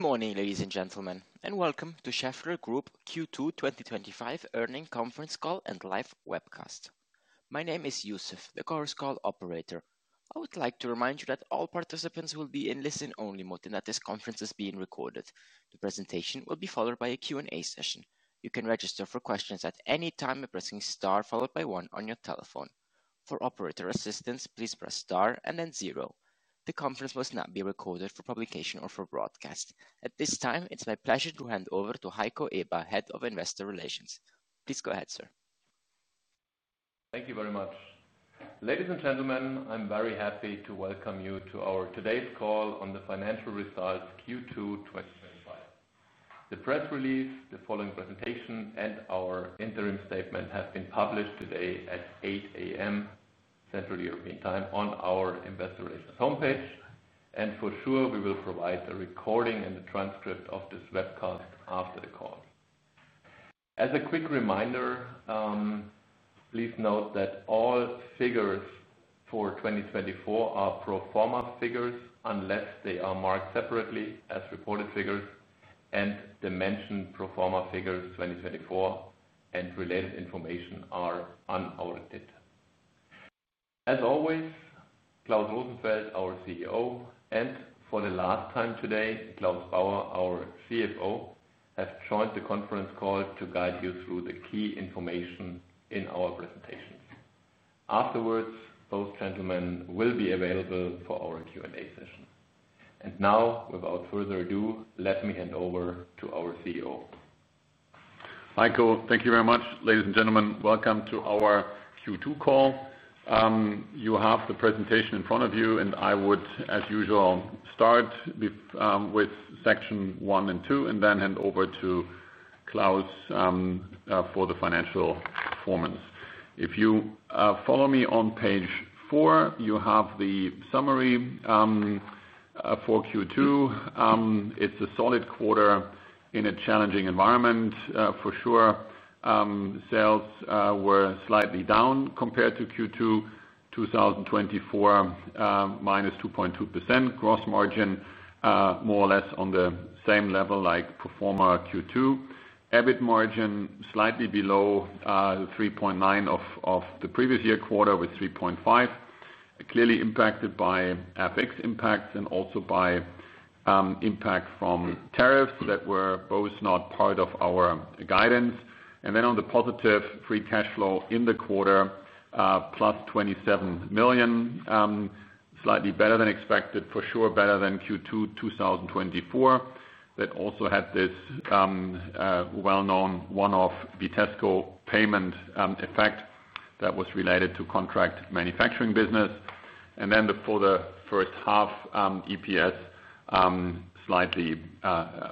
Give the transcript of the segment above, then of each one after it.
Good morning, ladies and gentlemen, and welcome to Schaeffler Group Q2 2025 Earnings Conference Call and Live Webcast. My name is Yusuf, the Chorus Call operator. I would like to remind you that all participants will be in listen-only mode and that this conference is being recorded. The presentation will be followed by a Q&A session. You can register for questions at any time by pressing star followed by one on your telephone. For operator assistance, please press star and then zero. The conference will not be recorded for publication or for broadcast. At this time, it's my pleasure to hand over to Heiko Eber, Head of Investor Relations. Please go ahead, sir. Thank you very much. Ladies and gentlemen, I'm very happy to welcome you to our today's call on the financial results Q2 2025. The press release, the following presentation, and our Interim Statement have been published today at 8:00 A.M. Central European Time on our Investor Relations homepage. For sure, we will provide a recording and the transcript of this webcast after the call. As a quick reminder, please note that all figures for 2024 are pro forma figures unless they are marked separately as reported figures, and the mentioned pro forma figures 2024 and related information are unaudited. As always, Klaus Rosenfeld, our CEO, and for the last time today, Claus Bauer, our CFO, have joined the conference call to guide you through the key information in our presentations. Afterwards, those gentlemen will be available for our Q&A session. Now, without further ado, let me hand over to our CEO. Heiko, thank you very much. Ladies and gentlemen, welcome to our Q2 call. You have the presentation in front of you, and I would, as usual, start with section one and two, and then hand over to Claus for the financial performance. If you follow me on page 4, you have the summary for Q2. It's a solid quarter in a challenging environment, for sure. Sales were slightly down compared to Q2 2024, -2.2%. Gross margin more or less on the same level like pro forma Q2. EBIT margin slightly below 3.9% of the previous year quarter with 3.5%. Clearly impacted by FX impacts and also by impact from tariffs that were both not part of our guidance. On the positive, Free Cash Flow in the quarter, +$27 million. Slightly better than expected, for sure better than Q2 2024. That also had this well-known one-off Vitesco payment effect that was related to contract manufacturing business. For the first half, EPS slightly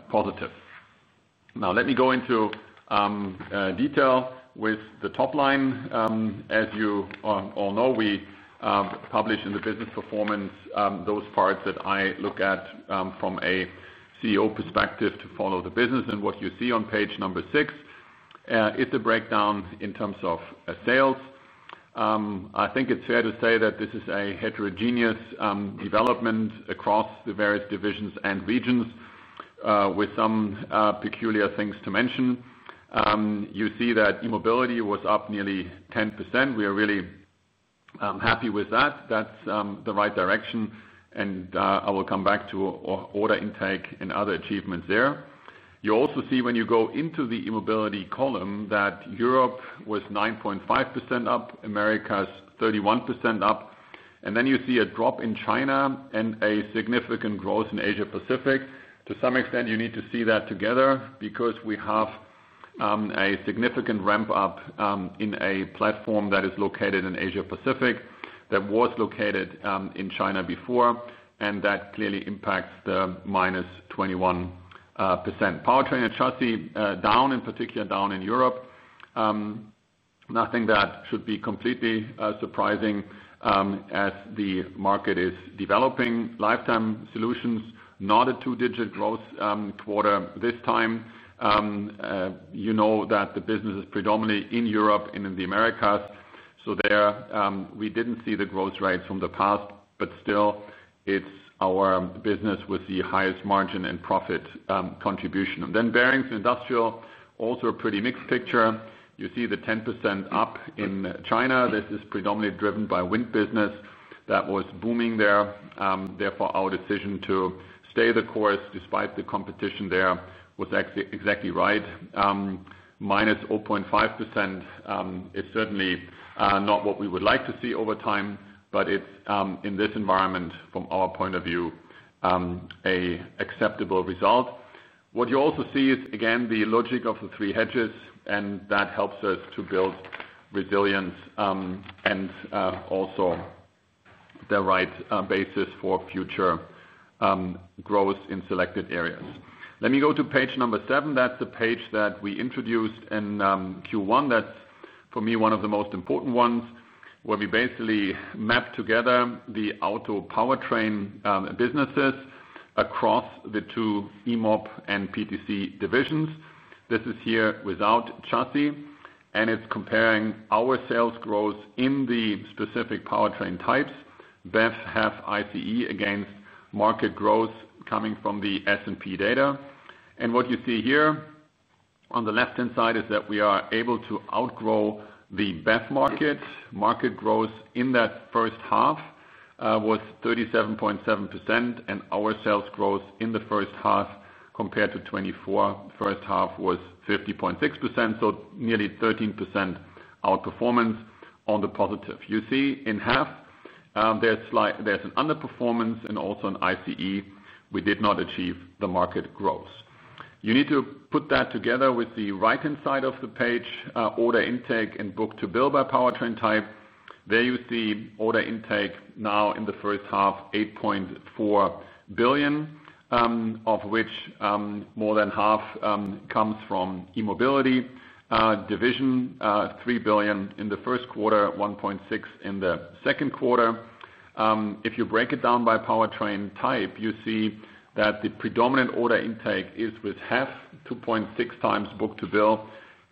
positive. Now let me go into detail with the top line. As you all know, we publish in the business performance those parts that I look at from a CEO perspective to follow the business. What you see on page number six is the breakdown in terms of sales. I think it's fair to say that this is a heterogeneous development across the various divisions and regions, with some peculiar things to mention. You see that E-Mobility was up nearly 10%. We are really happy with that. That's the right direction. I will come back to order intake and other achievements there. You also see when you go into the E-Mobility column that Europe was 9.5% up, Americas 31% up, and then you see a drop in China and a significant growth in Asia-Pacific. To some extent, you need to see that together because we have a significant ramp-up in a platform that is located in Asia-Pacific that was located in China before, and that clearly impacts the -21%. Powertrain & Chassis down, in particular down in Europe. Nothing that should be completely surprising as the market is developing. Lifetime Solutions, not a two-digit growth quarter this time. You know that the business is predominantly in Europe and in the Americas. There, we didn't see the growth rates from the past, but still, it's our business with the highest margin and profit contribution. Bearings & Industrial, also a pretty mixed picture. You see the 10% up in China. This is predominantly driven by wind business that was booming there. Therefore, our decision to stay the course despite the competition there was exactly right. -0.5% is certainly not what we would like to see over time, but it's in this environment, from our point of view, an acceptable result. What you also see is, again, the logic of the three hedges, and that helps us to build resilience and also the right basis for future growth in selected areas. Let me go to page number seven. That's the page that we introduced in Q1. That's, for me, one of the most important ones where we basically map together the auto Powertrain businesses across the two E-Mob and PTC divisions. This is here without Chassis, and it's comparing our sales growth in the specific Powertrain types. BEV, HEV, ICE against market growth coming from the S&P data. What you see here on the left-hand side is that we are able to outgrow the BEV market. Market growth in that first half was 37.7%, and our sales growth in the first half compared to 2024 first half was 50.6%. So nearly 13% outperformance on the positive. You see in HEV, there's an underperformance and also in ICE. We did not achieve the market growth. You need to put that together with the right-hand side of the page, order intake and book-to-build by Powertrain type. There you see order intake now in the first half, 8.4 billion, of which more than half comes from E-Mobility division, 3 billion in the first quarter, 1.6 billion in the second quarter. If you break it down by Powertrain type, you see that the predominant order intake is with HEV, 2.6x book-to-build.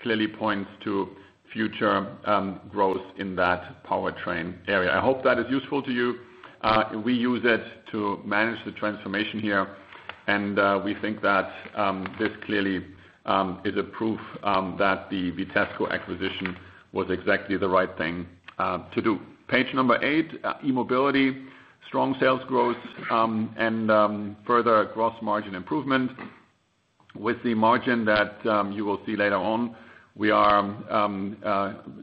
Clearly points to future growth in that Powertrain area. I hope that is useful to you. We use it to manage the transformation here, and we think that this clearly is a proof that the Vitesco acquisition was exactly the right thing to do. Page number eight, E-Mobility, strong sales growth, and further gross margin improvement. With the margin that you will see later on, we are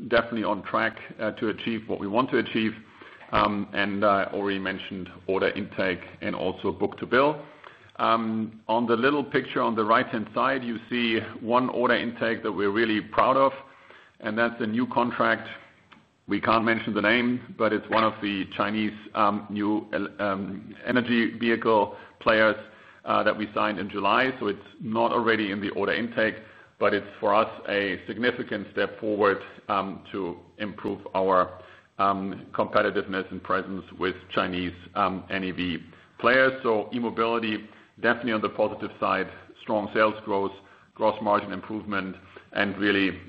definitely on track to achieve what we want to achieve. I already mentioned order intake and also book-to-build. On the little picture on the right-hand side, you see one order intake that we're really proud of, and that's a new contract. We can't mention the name, but it's one of the Chinese new energy vehicle players that we signed in July. It's not already in the order intake, but it's for us a significant step forward to improve our competitiveness and presence with Chinese NEV players. E-Mobility definitely on the positive side, strong sales growth, gross margin improvement, and really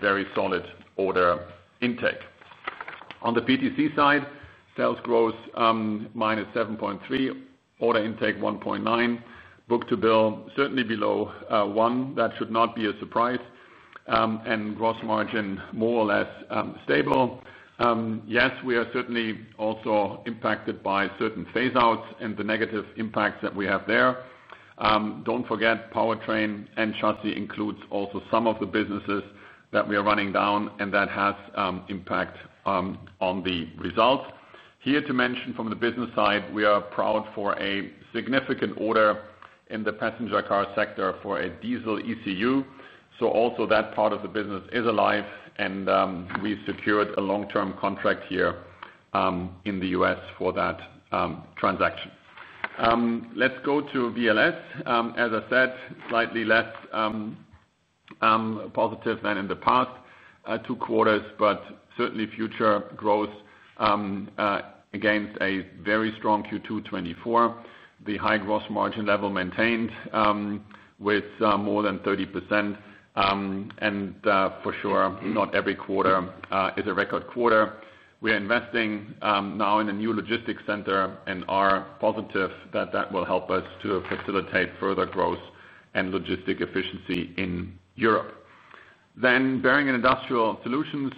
very solid order intake. On the PTC side, sales growth -7.3%, order intake $1.9 billion, book-to-build certainly below one. That should not be a surprise, and gross margin more or less stable. We are certainly also impacted by certain phaseouts and the negative impacts that we have there. Don't forget Powertrain & Chassis includes also some of the businesses that we are running down, and that has impact on the results. Here to mention from the business side, we are proud for a significant order in the passenger car sector for a diesel ECU. That part of the business is alive, and we've secured a long-term contract here in the U.S. for that transaction. Let's go to VLS. As I said, slightly less positive than in the past two quarters, but certainly future growth against a very strong Q2 2024. The high gross margin level maintained with more than 30%. For sure, not every quarter is a record quarter. We are investing now in a new logistics center and are positive that that will help us to facilitate further growth and logistic Bearings & Industrial Solutions,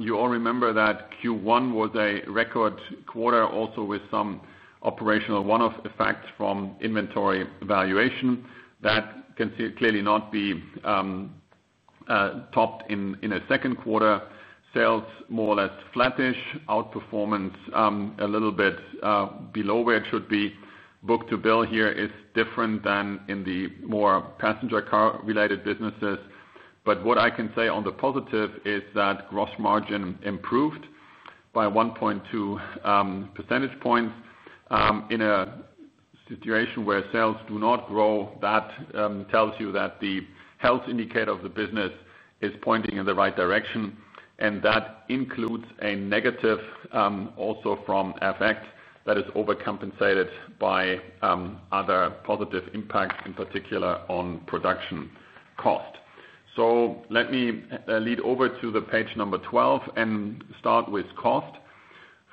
you all remember that Q1 was a record quarter, also with some operational one-off effects from inventory evaluation. That can clearly not be topped in a second quarter. Sales more or less flattish, outperformance a little bit below where it should be. Book-to-build here is different than in the more passenger car-related businesses. What I can say on the positive is that gross margin improved by 1.2 percentage points. In a situation where sales do not grow, that tells you that the health indicator of the business is pointing in the right direction. That includes a negative also from FX that is overcompensated by other positive impacts, in particular on production cost. Let me lead over to the page number 12 and start with cost.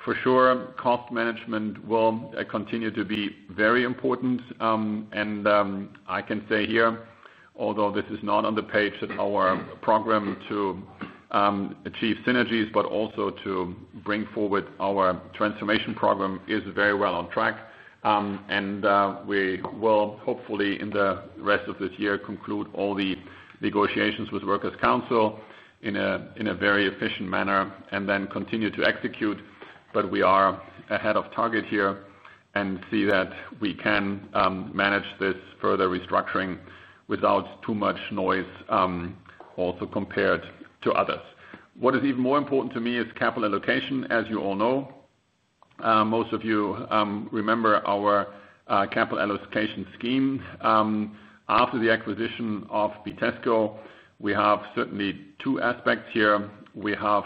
For sure, cost management will continue to be very important. I can say here, although this is not on the page, that our program to achieve synergies, but also to bring forward our transformation program, is very well on track. We will hopefully in the rest of this year conclude all the negotiations with Workers' Council in a very efficient manner and then continue to execute. We are ahead of target here and see that we can manage this further restructuring without too much noise also compared to others. What is even more important to me is capital allocation. As you all know, most of you remember our capital allocation scheme. After the acquisition of Vitesco, we have certainly two aspects here. We have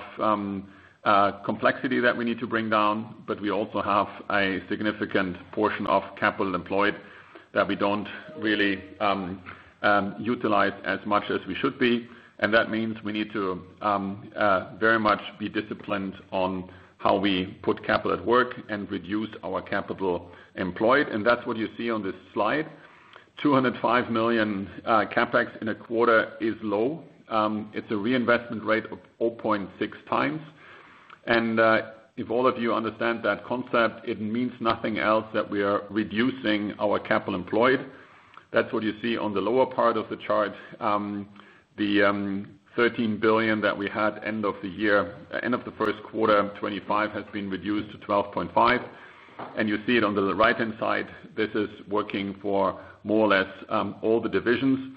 complexity that we need to bring down, but we also have a significant portion of capital employed that we don't really utilize as much as we should be. That means we need to very much be disciplined on how we put capital at work and reduce our capital employed. That's what you see on this slide. $205 million CapEx in a quarter is low. It's a reinvestment rate of 0.6x. If all of you understand that concept, it means nothing else that we are reducing our capital employed. That's what you see on the lower part of the chart. The $13 billion that we had end of the year, end of the first quarter, 2025, has been reduced to $12.5 billion. You see it on the right-hand side. This is working for more or less all the divisions.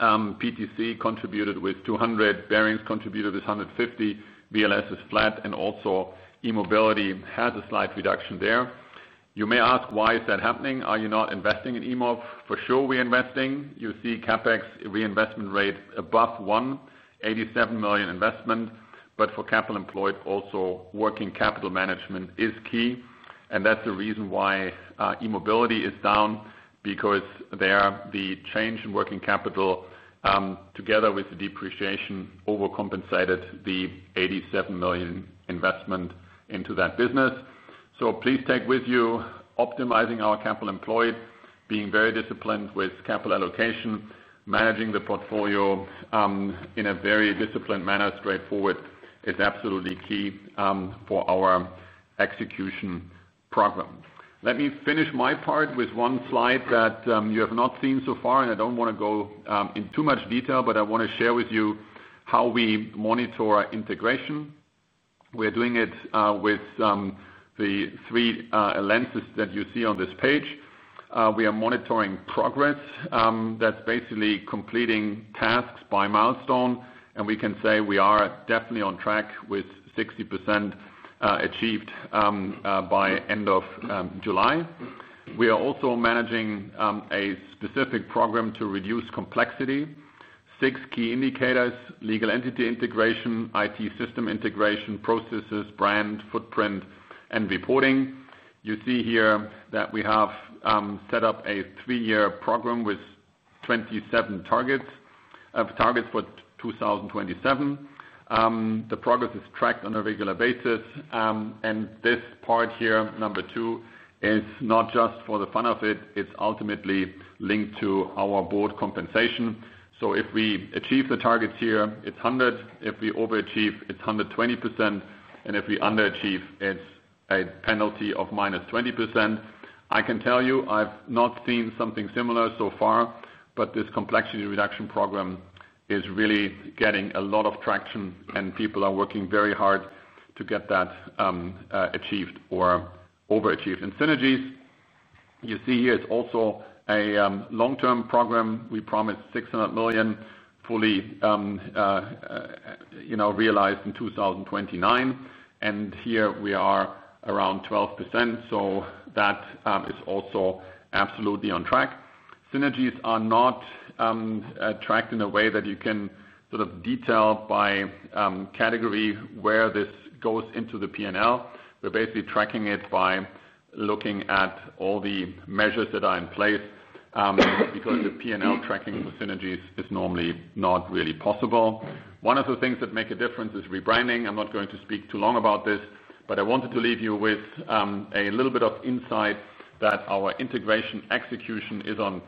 PTC contributed with million, Bearings contributed with $150 million, VLS is flat, and also E-Mobility has a slight reduction there. You may ask, why is that happening? Are you not investing in E-Mob? For sure, we're investing. You see CapEx reinvestment rate above one, $87 million investment. For capital employed, also working capital management is key. That's the reason why E-Mobility is down, because there the change in working capital together with the depreciation overcompensated the $87 million investment into that business. Please take with you optimizing our capital employed, being very disciplined with capital allocation, managing the portfolio in a very disciplined manner, straightforward. It's absolutely key for our execution program. Let me finish my part with one slide that you have not seen so far, and I don't want to go in too much detail, but I want to share with you how we monitor our integration. We're doing it with the three lenses that you see on this page. We are monitoring progress. That's basically completing tasks by milestone. We can say we are definitely on track with 60% achieved by end of July. We are also managing a specific program to reduce complexity. Six key indicators: legal entity integration, IT system integration, processes, brand footprint, and reporting. You see here that we have set up a three-year program with 27 targets, targets for 2027. The progress is tracked on a regular basis. This part here, number 2, is not just for the fun of it. It's ultimately linked to our board compensation. If we achieve the targets here, it's 100%. If we overachieve, it's 120%. If we underachieve, it's a penalty of -20%. I can tell you, I've not seen something similar so far, but this complexity reduction program is really getting a lot of traction, and people are working very hard to get that achieved or overachieved. Synergies, you see here, it's also a long-term program. We promised $600 million fully realized in 2029. Here we are around 12%. That is also absolutely on track. Synergies are not tracked in a way that you can sort of detail by category where this goes into the P&L. We're basically tracking it by looking at all the measures that are in place, because the P&L tracking for synergies is normally not really possible. One of the things that make a difference is rebranding. I'm not going to speak too long about this, but I wanted to leave you with a little bit of insight that our integration execution is on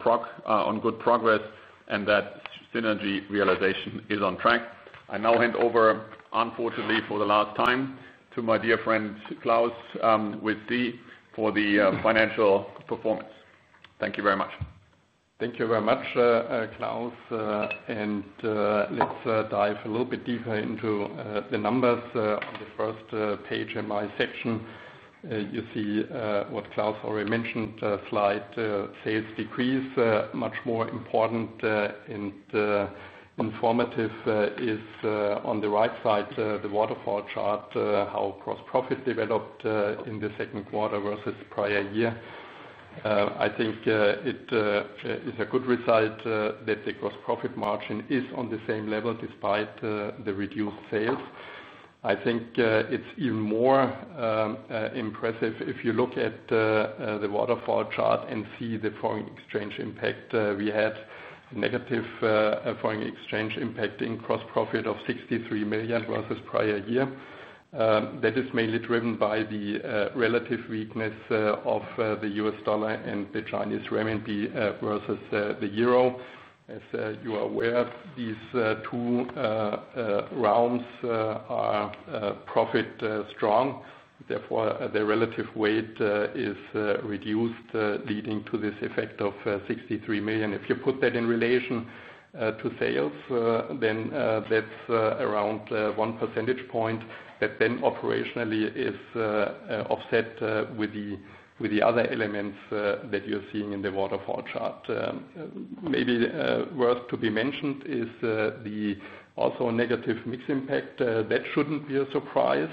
good progress and that synergy realization is on track. I now hand over, unfortunately, for the last time to my dear friend Claus with D for the financial performance. Thank you very much. Thank you very much, Klaus. Let's dive a little bit deeper into the numbers on the first page in my section. You see what Klaus already mentioned, slide sales decrease. Much more important and informative is on the right side, the waterfall chart, how gross profit developed in the second quarter versus prior year. I think it is a good result that the gross profit margin is on the same level despite the reduced sales. I think it's even more impressive if you look at the waterfall chart and see the foreign exchange impact. We had a negative foreign exchange impact in gross profit of 63 million versus prior year. That is mainly driven by the relative weakness of the U.S. dollar and the Chinese renminbi versus the Euro. As you are aware, these two realms are profit strong. Therefore, the relative weight is reduced, leading to this effect of 63 million. If you put that in relation to sales, then that's around 1 percentage point that then operationally is offset with the other elements that you're seeing in the waterfall chart. Maybe worth to be mentioned is the also negative mix impact. That shouldn't be a surprise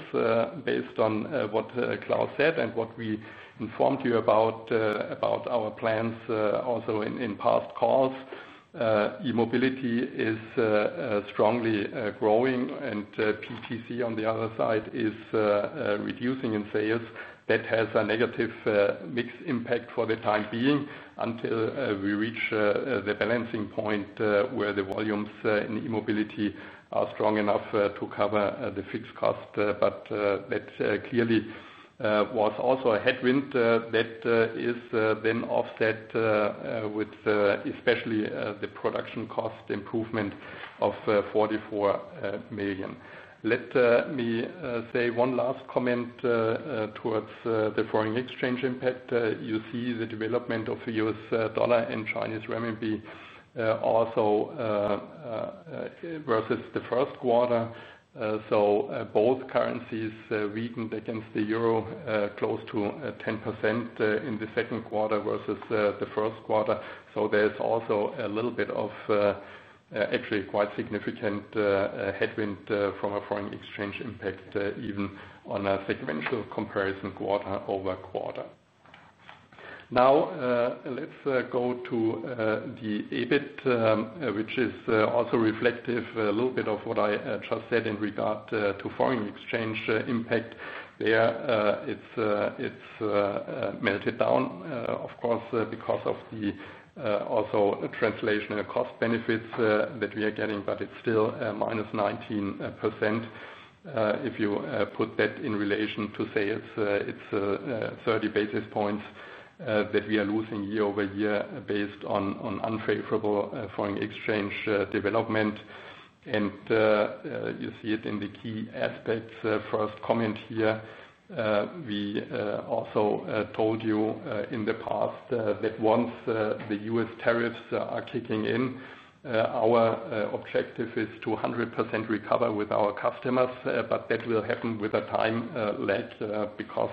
based on what Klaus said and what we informed you about our plans also in past calls. E-Mobility is strongly growing, and PTC on the other side is reducing in sales. That has a negative mix impact for the time being until we reach the balancing point where the volumes in E-Mobility are strong enough to cover the fixed cost. That clearly was also a headwind that is then offset with especially the production cost improvement of 44 million. Let me say one last comment towards the foreign exchange impact. You see the development of the U.S. dollar and Chinese renminbi also versus the first quarter. Both currencies weakened against the Euro close to 10% in the second quarter versus the first quarter. There is also a little bit of actually quite significant headwind from a foreign exchange impact even on a sequential comparison quarter-over-quarter. Now let's go to the EBIT, which is also reflective a little bit of what I just said in regard to foreign exchange impact. There it's melted down, of course, because of the also translational cost benefits that we are getting, but it's still -19%. If you put that in relation to sales, it's 30 basis points that we are losing year-over-year based on unfavorable foreign exchange development. You see it in the key aspects. First comment here, we also told you in the past that once the U.S. tariffs are kicking in, our objective is to 100% recover with our customers. That will happen with a time lag because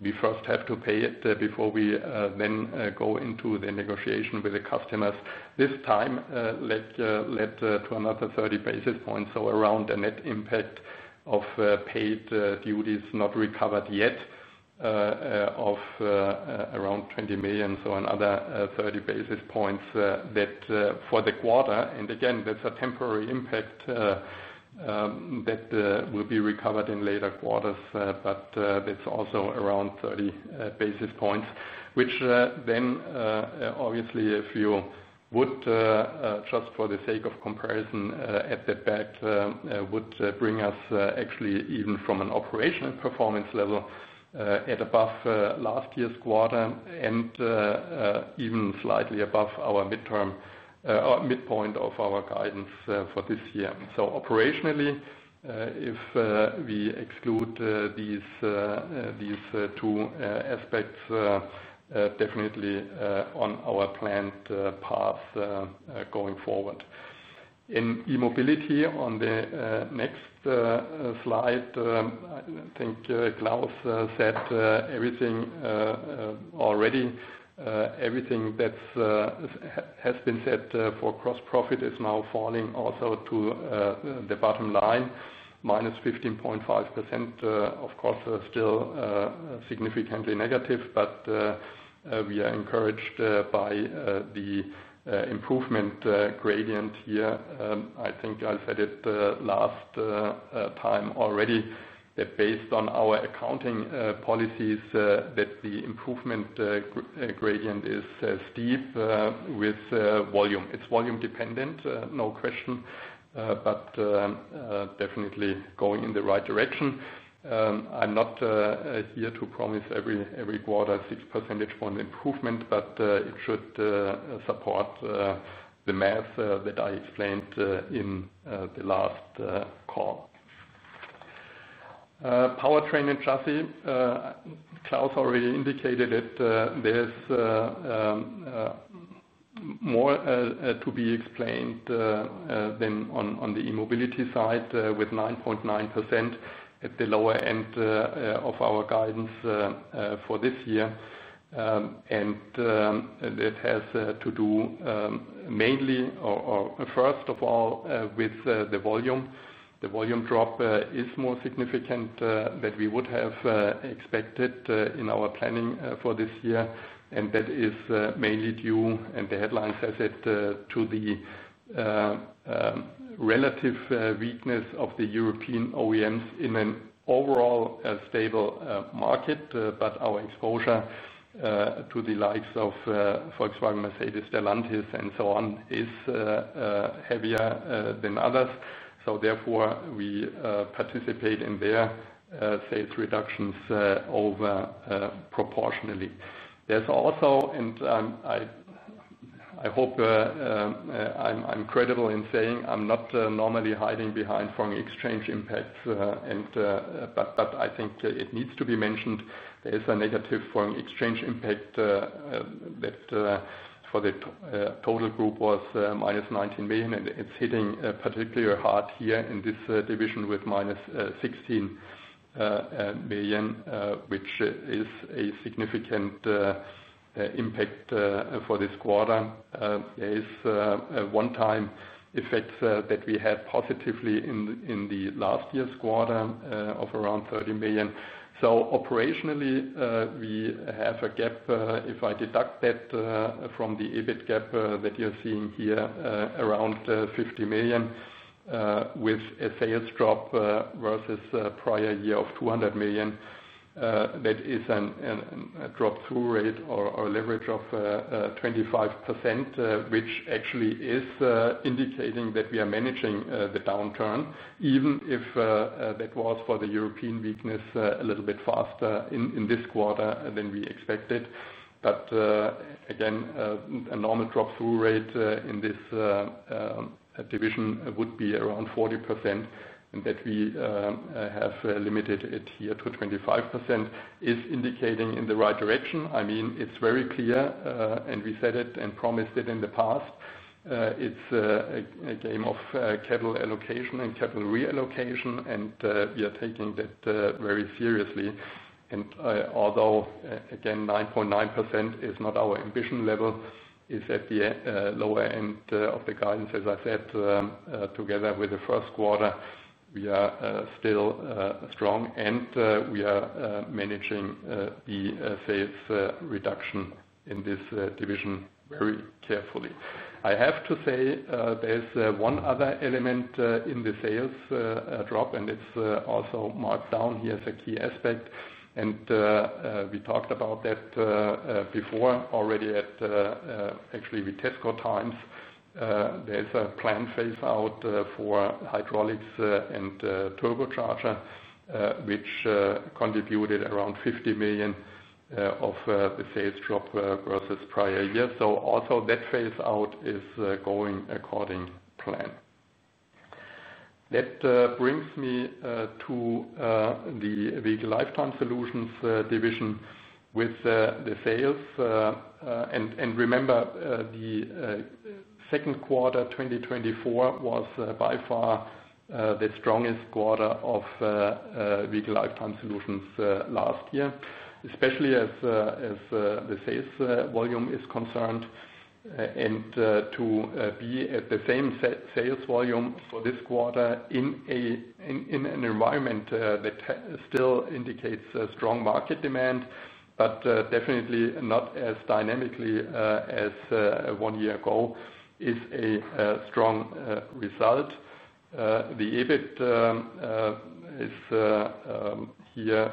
we first have to pay it before we then go into the negotiation with the customers. This time led to another 30 basis points. So around the net impact of paid duties not recovered yet of around $20 million. Another 30 basis points for the quarter. Again, that's a temporary impact that will be recovered in later quarters. That's also around 30 basis points, which obviously, if you would just for the sake of comparison add that back, would bring us actually even from an operational performance level at above last year's quarter and even slightly above our midpoint of our guidance for this year. Operationally, if we exclude these two aspects, definitely on our planned path going forward. In E-Mobility on the next slide, I think Klaus said everything already. Everything that has been said for gross profit is now falling also to the bottom line, -15.5%. Of course, still significantly negative, but we are encouraged by the improvement gradient here. I think I've said it the last time already that based on our accounting policies that the improvement gradient is steep with volume. It's volume dependent, no question, but definitely going in the right direction. I'm not here to promise every quarter 6% point improvement, but it should support the math that I explained in the last call. Powertrain & Chassis, Klaus already indicated it. There's more to be explained than on the E-Mobility side with 9.9% at the lower end of our guidance for this year. That has to do mainly, or first of all, with the volume. The volume drop is more significant than we would have expected in our planning for this year. That is mainly due, and the headline says it, to the relative weakness of the European OEMs in an overall stable market. Our exposure to the likes of Volkswagen, Mercedes, Stellantis, and so on is heavier than others. Therefore, we participate in their sales reductions over proportionally. There's also, and I hope I'm credible in saying I'm not normally hiding behind foreign exchange impact, but I think it needs to be mentioned. There's a negative foreign exchange impact that for the total group was -$19 million, and it's hitting particularly hard here in this division with -$16 million, which is a significant impact for this quarter. There is one-time effects that we had positively in last year's quarter of around $30 million. Operationally, we have a gap, if I deduct that from the EBIT gap that you're seeing here, around $50 million with a sales drop versus a prior year of $200 million. That is a drop-through rate or a leverage of 25%, which actually is indicating that we are managing the downturn, even if that was for the European weakness a little bit faster in this quarter than we expected. A normal drop-through rate in this division would be around 40%, and that we have limited it here to 25% is indicating in the right direction. I mean, it's very clear, and we said it and promised it in the past. It's a game of capital allocation and capital reallocation, and we are taking that very seriously. Although, again, 9.9% is not our ambition level, is at the lower end of the guidance, as I said, together with the first quarter, we are still strong and we are managing the sales reduction in this division very carefully. I have to say there's one other element in the sales drop, and it's also marked down here as a key aspect. We talked about that before already at actually Vitesco times. There's a planned phaseout for hydraulics and turbocharger, which contributed around $50 million of the sales drop versus prior year. Also, that phaseout is going according to plan. That brings me to the Vehicle Lifetime Solutions division with the sales. Remember, the second quarter 2024 was by far the strongest quarter of Vehicle Lifetime Solutions last year, especially as the sales volume is concerned. To be at the same sales volume for this quarter in an environment that still indicates strong market demand, but definitely not as dynamically as one year ago, is a strong result. The EBIT is here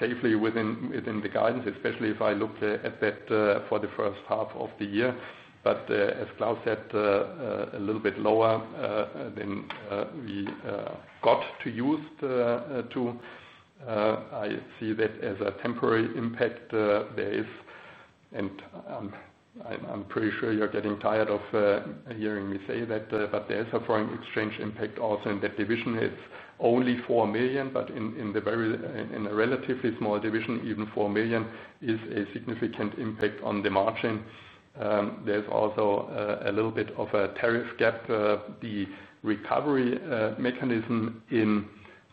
safely within the guidance, especially if I looked at that for the first half of the year. As Klaus said, a little bit lower than we got used to. I see that as a temporary impact. There is, and I'm pretty sure you're getting tired of hearing me say that, but there's a foreign exchange impact also in that division. It's only $4 million, but in a relatively small division, even $4 million is a significant impact on the margin. There's also a little bit of a tariff gap. The recovery mechanism in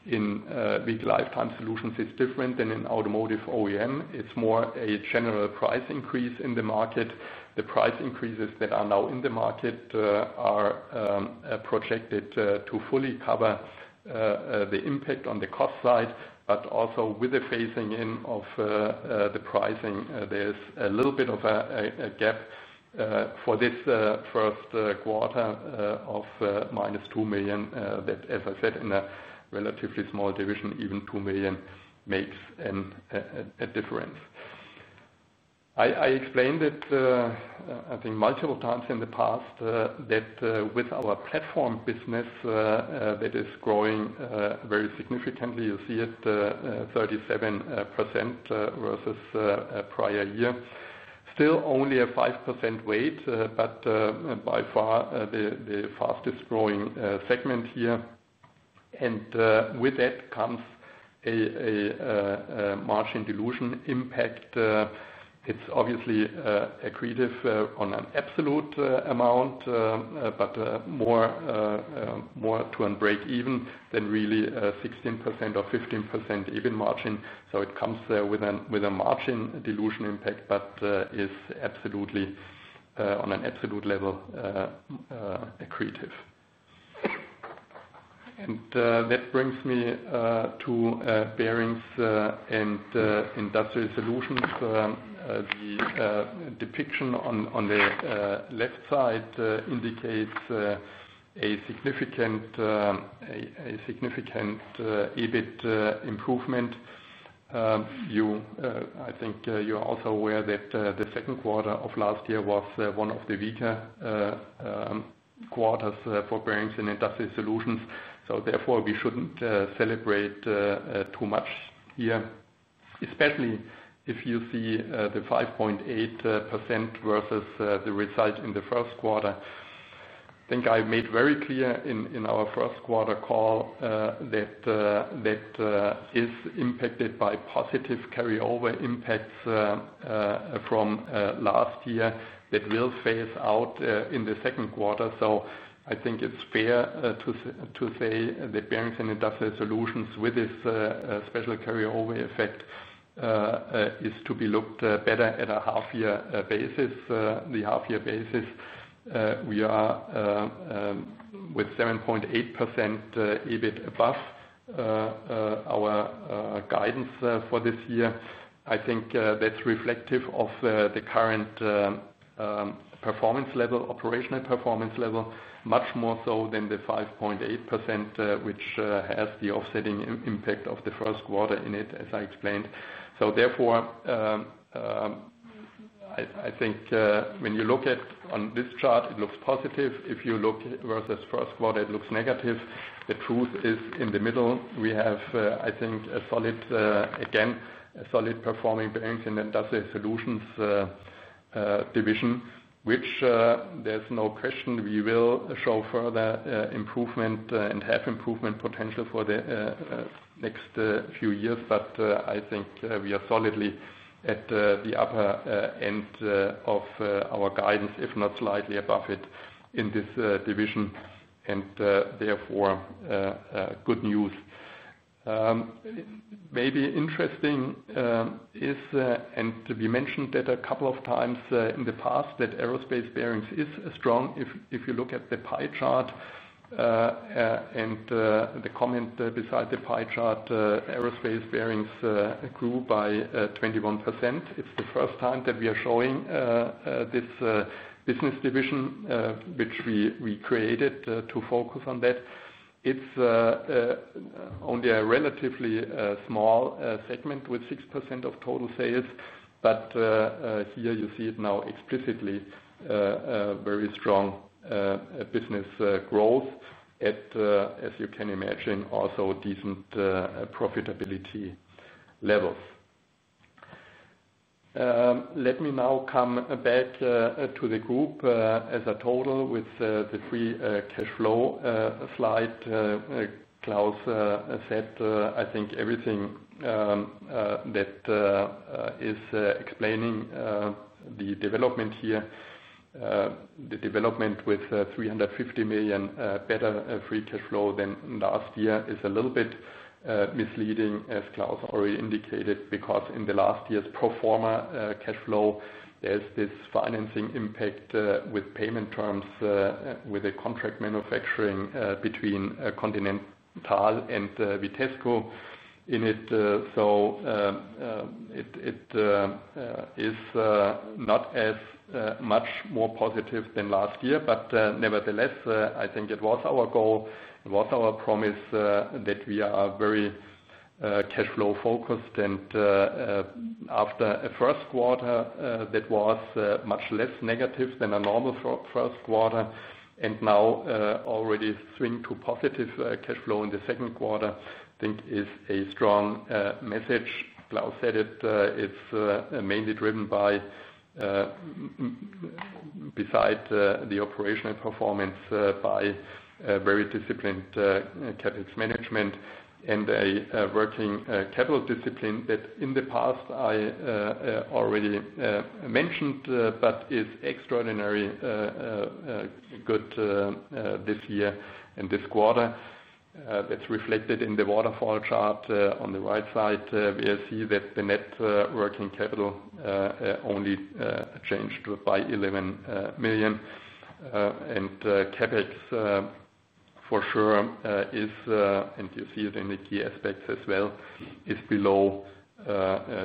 Vehicle Lifetime Solutions is different than in automotive OEM. It's more a general price increase in the market. The price increases that are now in the market are projected to fully cover the impact on the cost side, but also with the phasing in of the pricing. There's a little bit of a gap for this first quarter of -$2 million. That, as I said, in a relatively small division, even $2 million makes a difference. I explained it, I think, multiple times in the past that with our platform business that is growing very significantly, you see it 37% versus a prior year. Still only a 5% weight, but by far the fastest growing segment here. With that comes a margin dilution impact. It's obviously accretive on an absolute amount, but more to unbreak even than really 16% or 15% EBIT margin. It comes with a margin dilution impact, but is absolutely on an absolute level accretive. That brings me to Bearings & Industrial Solutions. The depiction on the left side indicates a significant EBIT improvement. I think you're also aware that the second quarter of last year was one of the Bearings & Industrial Solutions. therefore, we shouldn't celebrate too much here, especially if you see the 5.8% versus the result in the first quarter. I think I made very clear in our first quarter call that that is impacted by positive carryover impacts from last year that will phase out in the second quarter. I think it's fair Bearings & Industrial Solutions with this special carryover effect are to be looked better at a half-year basis. The half-year basis, we are with 7.8% EBIT above our guidance for this year. I think that's reflective of the current performance level, operational performance level, much more so than the 5.8%, which has the offsetting impact of the first quarter in it, as I explained. Therefore, I think when you look at on this chart, it looks positive. If you look versus first quarter, it looks negative. The truth is in the middle, we have, I think, a solid, again, Bearings & Industrial Solutions division, which there's no question we will show further improvement and have improvement potential for the next few years. I think we are solidly at the upper end of our guidance, if not slightly above it in this division. Therefore, good news. Maybe interesting is, and we mentioned that a couple of times in the past, that Aerospace Bearings is strong. If you look at the pie chart and the comment beside the pie chart, Aerospace Bearings grew by 21%. It's the first time that we are showing this business division, which we created to focus on that. It's only a relatively small segment with 6% of total sales. Here you see it now explicitly, very strong business growth at, as you can imagine, also decent profitability levels. Let me now come back to the Group as a total with the Free Cash Flow slide. Klaus said, I think everything that is explaining the development here, the development with $350 million better Free Cash Flow than last year is a little bit misleading, as Klaus already indicated, because in last year's pro forma cash flow, there's this financing impact with payment terms with a contract manufacturing between Continental and Vitesco in it. It is not as much more positive than last year, nevertheless, I think it was our goal. It was our promise that we are very cash flow focused. After a first quarter that was much less negative than a normal first quarter, and now already swing to positive cash flow in the second quarter, I think is a strong message. Klaus said it, it's mainly driven by, besides the operational performance, by very disciplined cash management and a working capital discipline that in the past I already mentioned, but is extraordinarily good this year and this quarter. Let's reflect it in the waterfall chart on the right side. We see that the net working capital only changed by $11 million. CapEx for sure is, and you see it in the key aspects as well, is below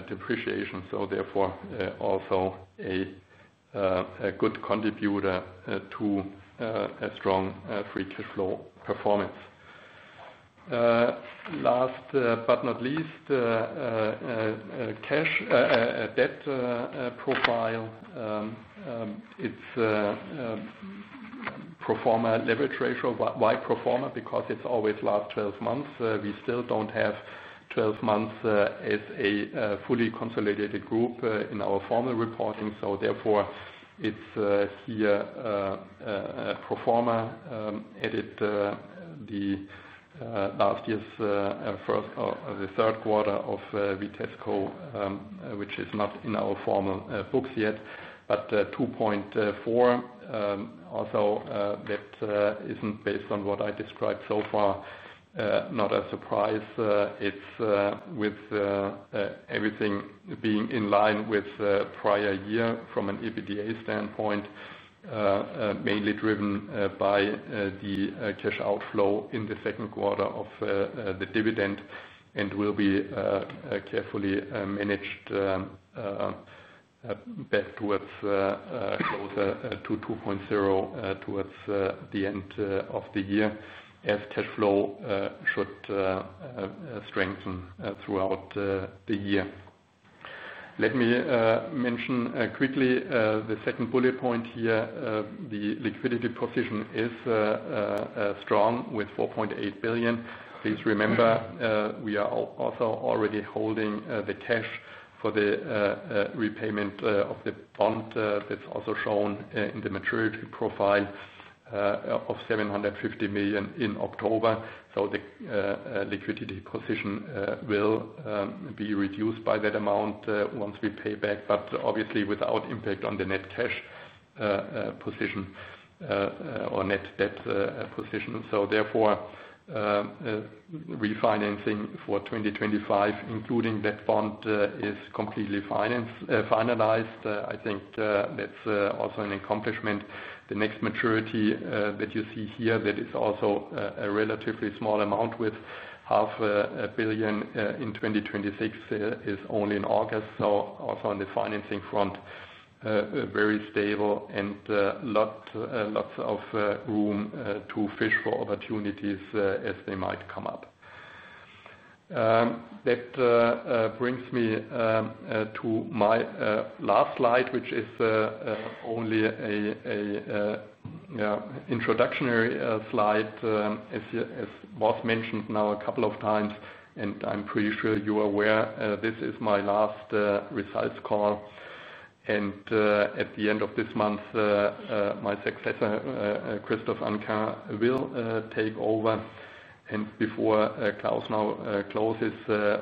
depreciation. Therefore, also a good contributor to a strong Free Cash Flow performance. Last but not least, cash debt profile. It's a pro forma leverage ratio, why pro forma? Because it's always last 12 months. We still don't have 12 months as a fully consolidated group in our formal reporting. Therefore, it's here a pro forma, added the last year's first or the third quarter of Vitesco, which is not in our formal books yet, but 2.4x. Also, that isn't based on what I described so far. Not a surprise. It's with everything being in line with the prior year from an EBITDA standpoint, mainly driven by the cash outflow in the second quarter of the dividend and will be carefully managed back towards closer to 2.0x towards the end of the year as cash flow should strengthen throughout the year. Let me mention quickly the second bullet point here. The liquidity position is strong with $4.8 billion. Please remember, we are also already holding the cash for the repayment of the bond that's also shown in the maturity profile of 750 million in October. The liquidity position will be reduced by that amount once we pay back, obviously without impact on the net cash position or net debt position. Therefore, refinancing for 2025, including that bond, is completely finalized. I think that's also an accomplishment. The next maturity that you see here that is also a relatively small amount with 500 million in 2026 is only in August. Also on the financing front, very stable and lots of room to fish for opportunities as they might come up. That brings me to my last slide, which is only an introductionary slide, as was mentioned now a couple of times. I'm pretty sure you are aware, this is my last results call. At the end of this month, my successor, Christophe Hannequin, will take over. Before Klaus now closes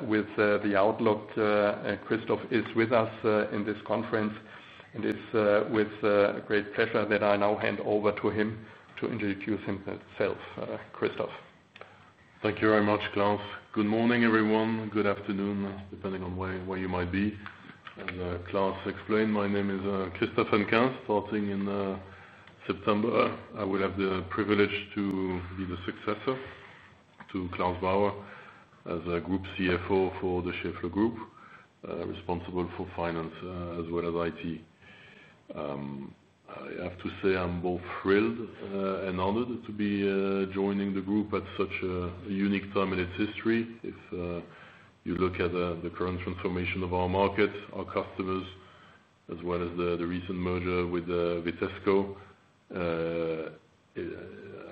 with the outlook, Christophe is with us in this conference. It's with great pleasure that I now hand over to him to introduce himself, Christophe. Thank you very much, Klaus. Good morning, everyone. Good afternoon, depending on where you might be. As Klaus explained, my name is Christophe Hannequin. Starting in September, I will have the privilege to be the successor to Klaus Bauer as Group CFO for Schaeffler Group, responsible for Finance as well as IT. I have to say I'm both thrilled and honored to be joining the Group at such a unique time in its history. If you look at the current transformation of our markets, our customers, as well as the recent merger with Vitesco,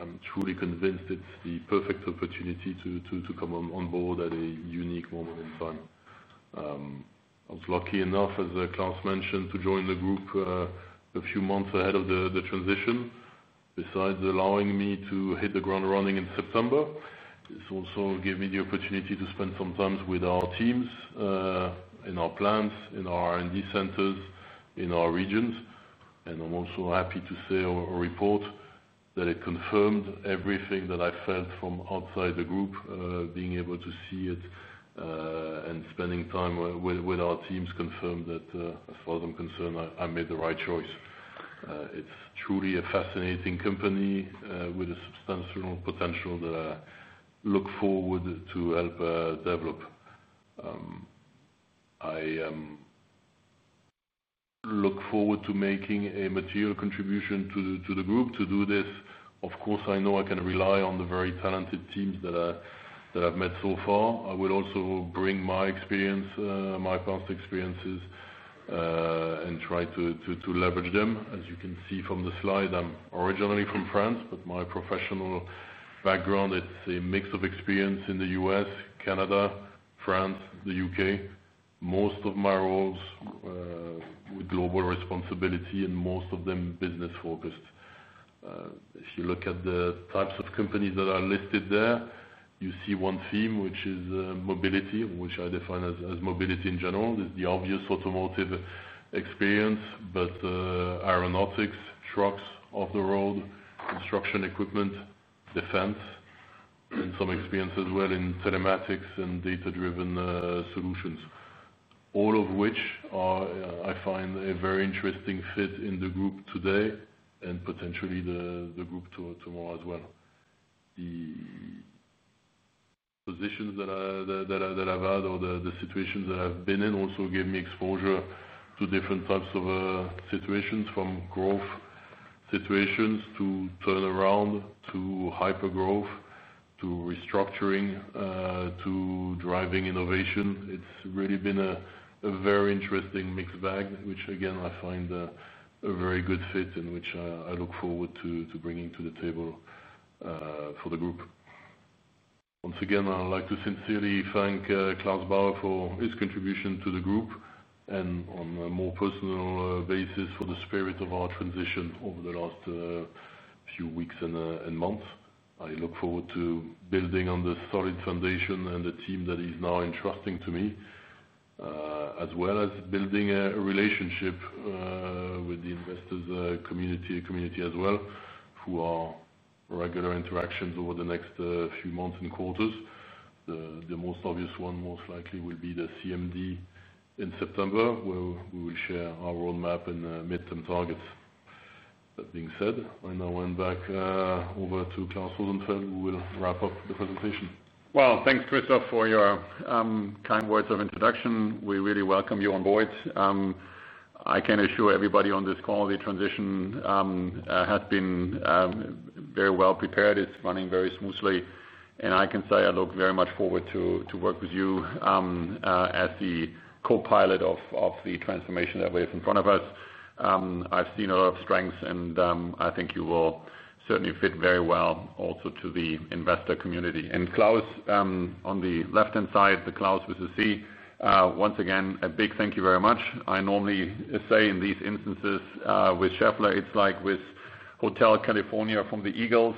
I'm truly convinced it's the perfect opportunity to come on board at a unique moment in time. I was lucky enough, as Klaus mentioned, to join the Group a few months ahead of the transition. Besides allowing me to hit the ground running in September, it also gave me the opportunity to spend some time with our teams in our plants, in our R&D centers, in our regions. I'm also happy to say or report that it confirmed everything that I felt from outside the Group. Being able to see it and spending time with our teams confirmed that, as far as I'm concerned, I made the right choice. It's truly a fascinating company with substantial potential that I look forward to help develop. I look forward to making a material contribution to the group to do this. Of course, I know I can rely on the very talented teams that I've met so far. I will also bring my experience, my past experiences, and try to leverage them. As you can see from the slide, I'm originally from France, but my professional background is a mix of experience in the U.S., Canada, France, and the U.K. Most of my roles had global responsibility and most of them were business focused. If you look at the types of companies that are listed there, you see one theme, which is mobility, which I define as mobility in general. There's the obvious automotive experience, but aeronautics, trucks, off the road, construction equipment, defense, and some experience as well in telematics and data-driven solutions, all of which are, I find, a very interesting fit in the Group today and potentially the Group tomorrow as well. The positions that I've had or the situations that I've been in also give me exposure to different types of situations, from growth situations to turnaround to hypergrowth to restructuring to driving innovation. It's really been a very interesting mixed bag, which again, I find a very good fit and which I look forward to bringing to the table for the Group. Once again, I'd like to sincerely thank Klaus Bauer for his contribution to the group and on a more personal basis for the spirit of our transition over the last few weeks and months. I look forward to building on the solid foundation and the team that is now entrusting to me, as well as building a relationship with the investor community as well, who are regular interactions over the next few months and quarters. The most obvious one most likely will be the CMD in September, where we will share our roadmap and mid-term targets. That being said, I now hand back over to Klaus Rosenfeld, who will wrap up the presentation. Thank you, Christophe, for your kind words of introduction. We really welcome you on board. I can assure everybody on this call the transition has been very well prepared. It's running very smoothly. I can say I look very much forward to work with you as the co-pilot of the transformation that we have in front of us. I've seen a lot of strengths, and I think you will certainly fit very well also to the investor community. Claus, on the left-hand side, the Claus with a C, once again, a big thank you very much. I normally say in these instances with Schaeffler, it's like with Hotel California from the Eagles.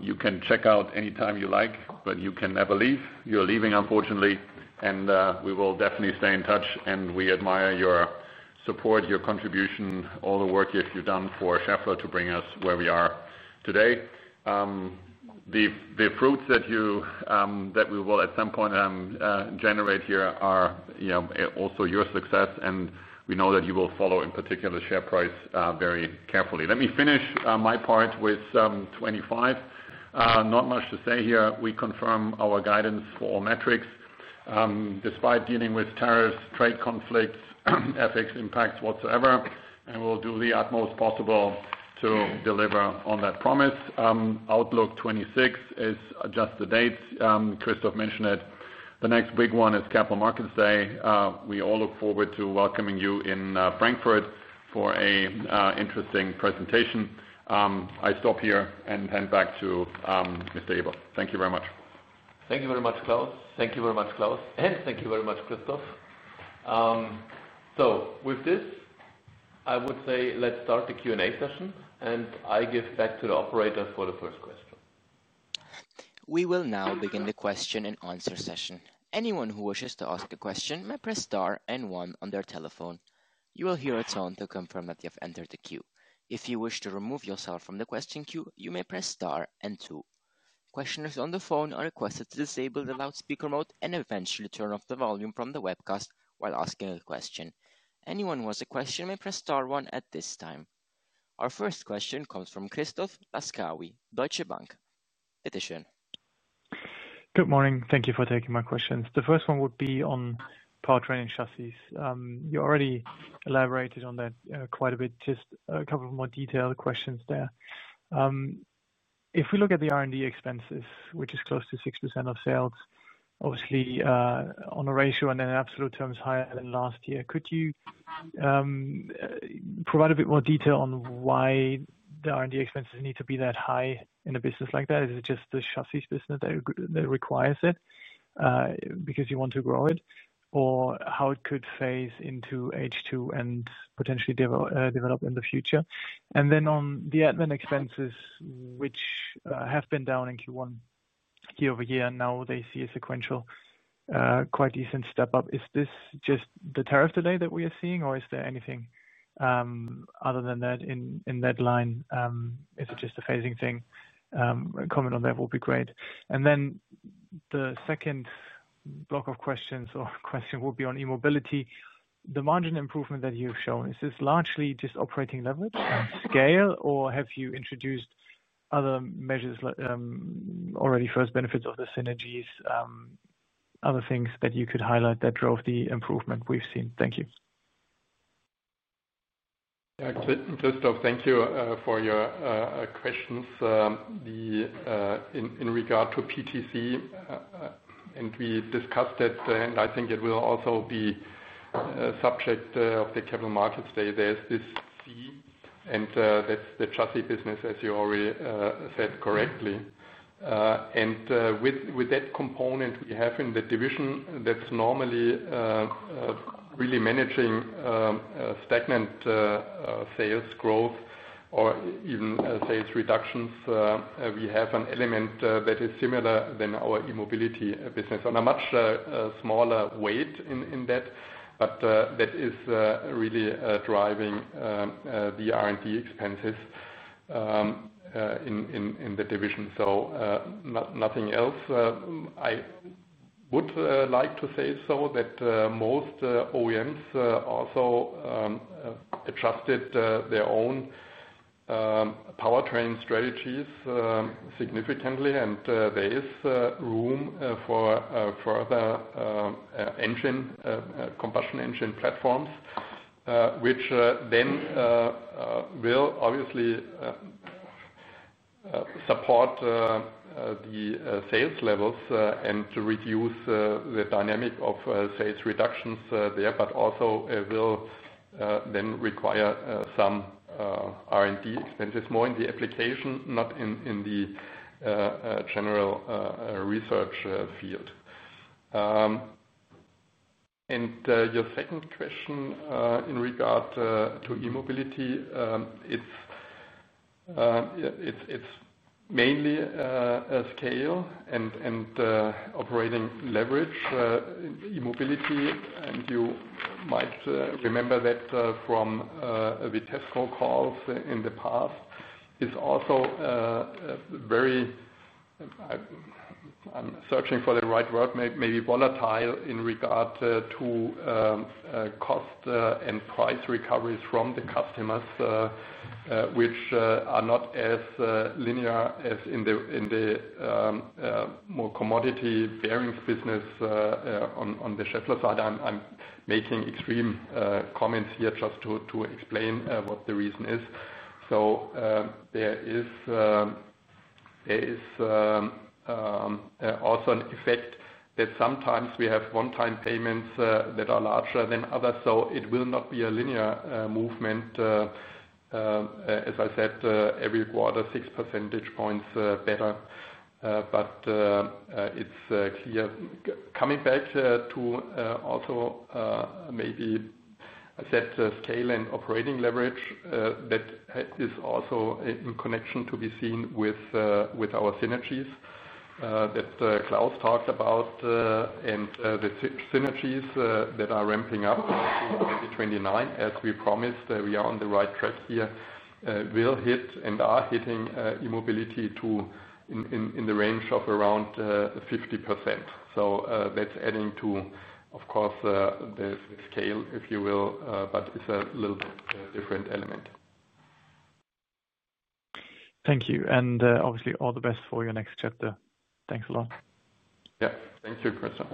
You can check out anytime you like, but you can never leave. You're leaving, unfortunately. We will definitely stay in touch, and we admire your support, your contribution, all the work you've done for Schaeffler to bring us where we are today. The fruits that we will at some point generate here are also your success, and we know that you will follow in particular share price very carefully. Let me finish my part with 2025. Not much to say here. We confirm our guidance for all metrics, despite dealing with tariffs, trade conflicts, ethics impacts whatsoever. We will do the utmost possible to deliver on that promise. Outlook 2026 is just the date. Christophe mentioned it. The next big one is Capital Markets Day. We all look forward to welcoming you in Frankfurt for an interesting presentation. I stop here and hand back to Mr. Eber. Thank you very much. Thank you very much, Klaus. Thank you very much, Claus. Thank you very much, Christophe. With this, I would say let's start the Q&A session, and I give back to the operator for the first question. We will now begin the question-and-answer session. Anyone who wishes to ask a question may press star and one on their telephone. You will hear a tone to confirm that you have entered the queue. If you wish to remove yourself from the question queue, you may press star and two. Questioners on the phone are requested to disable the loudspeaker mode and eventually turn off the volume from the webcast while asking a question. Anyone who has a question may press star one at this time. Our first question comes from Christoph Laskawi, Deutsche Bank. Bitteschön. Good morning. Thank you for taking my questions. The first one would be on Powertrain & Chassis. You already elaborated on that quite a bit. Just a couple of more detailed questions there. If we look at the R&D expenses, which is close to 6% of sales, obviously on a ratio and in absolute terms higher than last year, could you provide a bit more detail on why the R&D expenses need to be that high in a business like that? Is it just the Chassis business that requires it because you want to grow it or how it could phase into H2 and potentially develop in the future? On the admin expenses, which have been down in Q1 year-over-year, and now they see a sequential quite decent step up. Is this just the tariff delay that we are seeing, or is there anything other than that in that line? Is it just a phasing thing? A comment on that would be great. The second block of questions or question would be on E-Mobility. The margin improvement that you've shown, is this largely just operating leverage and scale, or have you introduced other measures already? First, benefits of the synergies, other things that you could highlight that drove the improvement we've seen? Thank you. Yeah, Christophe, thank you for your questions. In regard to PTC, and we discussed that, I think it will also be a subject of the Capital Markets Day. There's this [R&D,] and that's the Chassis business, as you already said correctly. With that component we have in the division that's normally really managing stagnant sales growth or even sales reductions, we have an element that is similar to our E-Mobility business on a much smaller weight in that, but that is really driving the R&D expenses in the division. Nothing else. I would like to say that most OEMs also adjusted their own Powertrain strategies significantly, and there is room for further engine, combustion engine platforms, which then will obviously support the sales levels and reduce the dynamic of sales reductions there, but also will then require some R&D expenses more in the application, not in the general research field. Your second question in regard to E-Mobility, it's mainly a scale and operating leverage in E-Mobility. You might remember that from Vitesco calls in the past, it's also very, I'm searching for the right word, maybe volatile in regard to cost and price recoveries from the customers, which are not as linear as in the more commodity bearings business on the Schaeffler side. I'm making extreme comments here just to explain what the reason is. There is also an effect that sometimes we have one-time payments that are larger than others. It will not be a linear movement. As I said, every quarter, 6 percentage points better. It's clear. Coming back to also maybe I said scale and operating leverage, that is also in connection to be seen with our synergies that Klaus talked about and the synergies that are ramping up in 2029. As we promised, we are on the right track here, will hit and are hitting E-Mobility too in the range of around 50%. That's adding to, of course, the scale, if you will, but it's a little bit different element. Thank you. Obviously, all the best for your next chapter. Thanks a lot. Yeah, thank you, Christophe.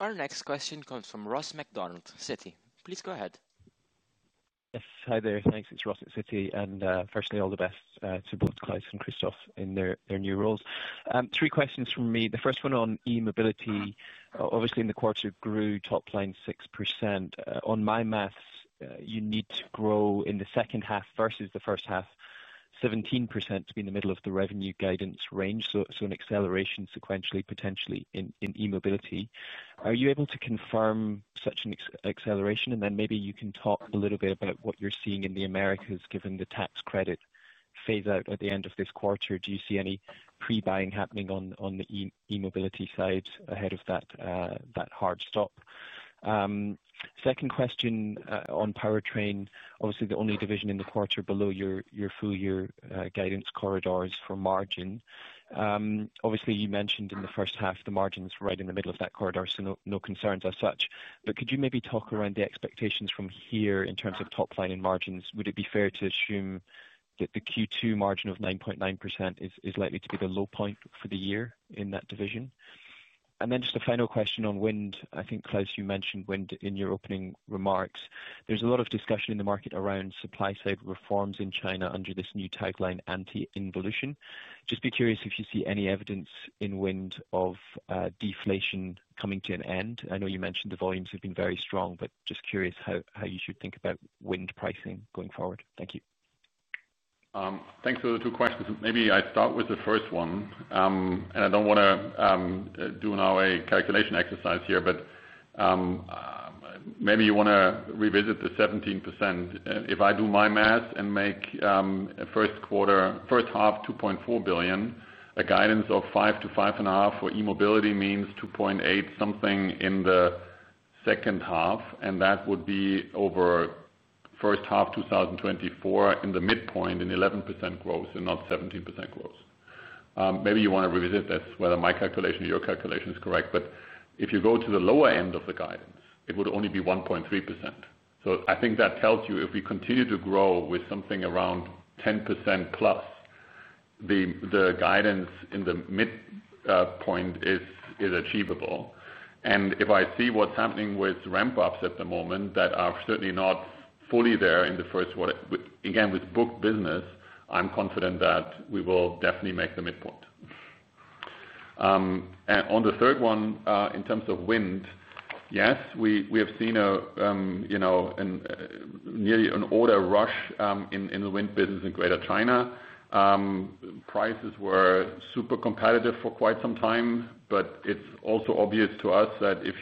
Our next question comes from Ross MacDonald, Citi. Please go ahead. Yes. Hi there. Thanks. It's Ross at Citi, and firstly, all the best to both Claus and Christophe in their new roles. Three questions from me. The first one on E-Mobility. Obviously, in the quarter it grew top line 6%. On my maths, you need to grow in the second half versus the first half 17% to be in the middle of the revenue guidance range. An acceleration sequentially, potentially in E-Mobility. Are you able to confirm such an acceleration? Maybe you can talk a little bit about what you're seeing in the Americas given the tax credit phaseout at the end of this quarter. Do you see any pre-buying happening on the E-Mobility side ahead of that hard stop? Second question on Powertrain. Obviously, the only division in the quarter below your full year guidance corridor is for margin. You mentioned in the first half the margin is right in the middle of that corridor, so no concerns as such. Could you maybe talk around the expectations from here in terms of top line and margins? Would it be fair to assume that the Q2 margin of 9.9% is likely to be the low point for the year in that division? Just a final question on wind. I think, Klaus, you mentioned wind in your opening remarks. There's a lot of discussion in the market around supply-side reforms in China under this new tagline, anti-involution. Just be curious if you see any evidence in wind of deflation coming to an end. I know you mentioned the volumes have been very strong, but just curious how you should think about wind pricing going forward. Thank you. Thanks for the two questions. Maybe I'd start with the first one. I don't want to do now a calculation exercise here, but maybe you want to revisit the 17%. If I do my math and make a first quarter, first half $2.4 billion, a guidance of $5 billion-$5.5 billion for E-Mobility means $2.8 something in the second half. That would be over the first half 2024 in the midpoint an 11% growth and not 17% growth. Maybe you want to revisit this whether my calculation or your calculation is correct, but if you go to the lower end of the guidance, it would only be 1.3%. I think that tells you if we continue to grow with something around 10%+, the guidance in the midpoint is achievable. If I see what's happening with ramp-ups at the moment that are certainly not fully there in the first, again, with booked business, I'm confident that we will definitely make the midpoint. On the third one, in terms of wind, yes, we have seen nearly an order rush in the wind business in Greater China. Prices were super competitive for quite some time, but it's also obvious to us that if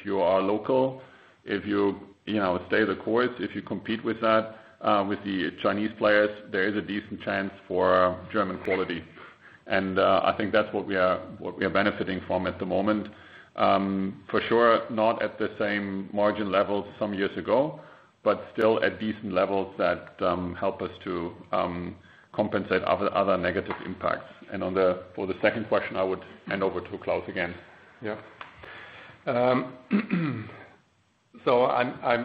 you are local, if you stay the course, if you compete with the Chinese players, there is a decent chance for German quality. I think that's what we are benefiting from at the moment. For sure, not at the same margin levels some years ago, but still at decent levels that help us to compensate other negative impacts. For the second question, I would hand over to Claus again. Yeah. The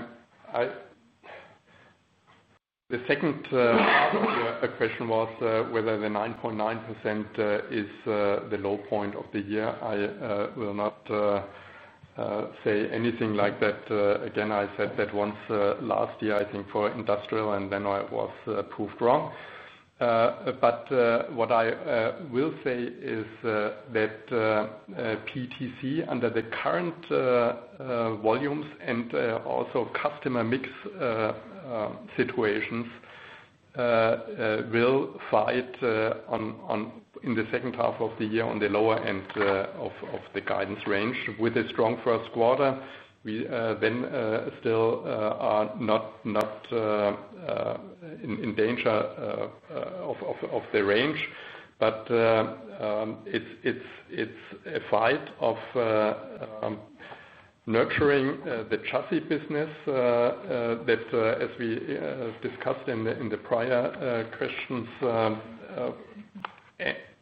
second part of your question was whether the 9.9% is the low point of the year. I will not say anything like that. I said that once last year, I think for Industrial, and then I was proved wrong. What I will say is that PTC under the current volumes and also customer mix situations will fight in the second half of the year on the lower end of the guidance range. With a strong first quarter, we then still are not in danger of the range. It's a fight of nurturing the Chassis business that, as we discussed in the prior questions,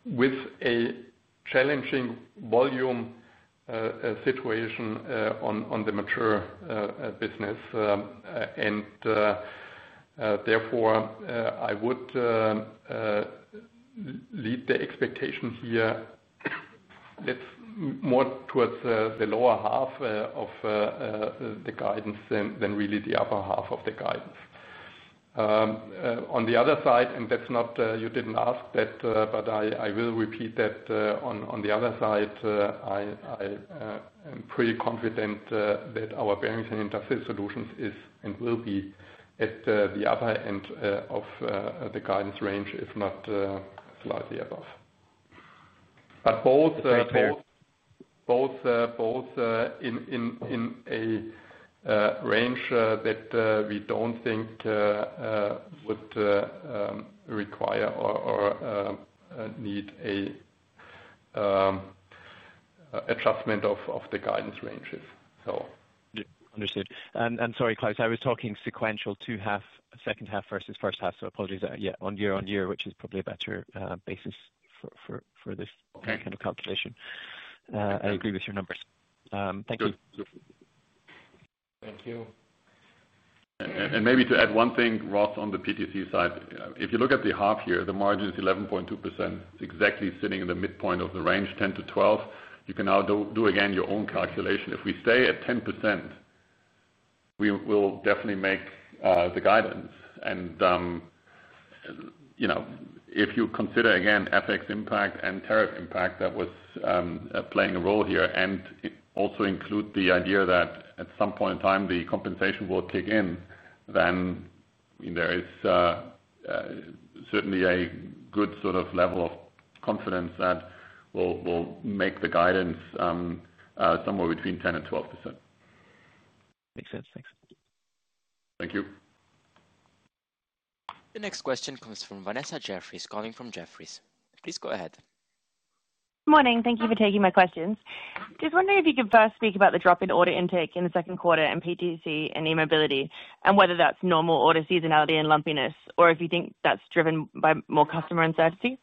with a challenging volume situation on the mature business. Therefore, I would lead the expectation here more towards the lower half of the guidance than really the upper half of the guidance. On the other side, and you didn't ask that, but I will repeat that on the other side, I'm pretty Bearings & Industrial Solutions will be at the upper end of the guidance range, if not slightly above. Both in a range that we don't think would require or need an adjustment of the guidance ranges. Understood. Sorry, Claus, I was talking sequential two half, second half versus first half. Apologies. Yeah, on year on year, which is probably a better basis for this kind of calculation. I agree with your numbers. Thank you. Thank you. Maybe to add one thing, Ross, on the PTC side, if you look at the half here, the margin is 11.2%, exactly sitting in the midpoint of the range, 10%-12%. You can now do again your own calculation. If we stay at 10%, we will definitely make the guidance. If you consider again FX impact and tariff impact that was playing a role here, and also include the idea that at some point in time, the compensation will kick in, there is certainly a good sort of level of confidence that will make the guidance somewhere between 10% and 12%. Makes sense. Thanks. Thank you. The next question comes from Vanessa Jeffries, calling from Jefferies. Please go ahead. Morning. Thank you for taking my questions. Just wondering if you could first speak about the drop in order intake in the second quarter in PTC and E-Mobility, and whether that's normal order seasonality and lumpiness, or if you think that's driven by more customer uncertainty.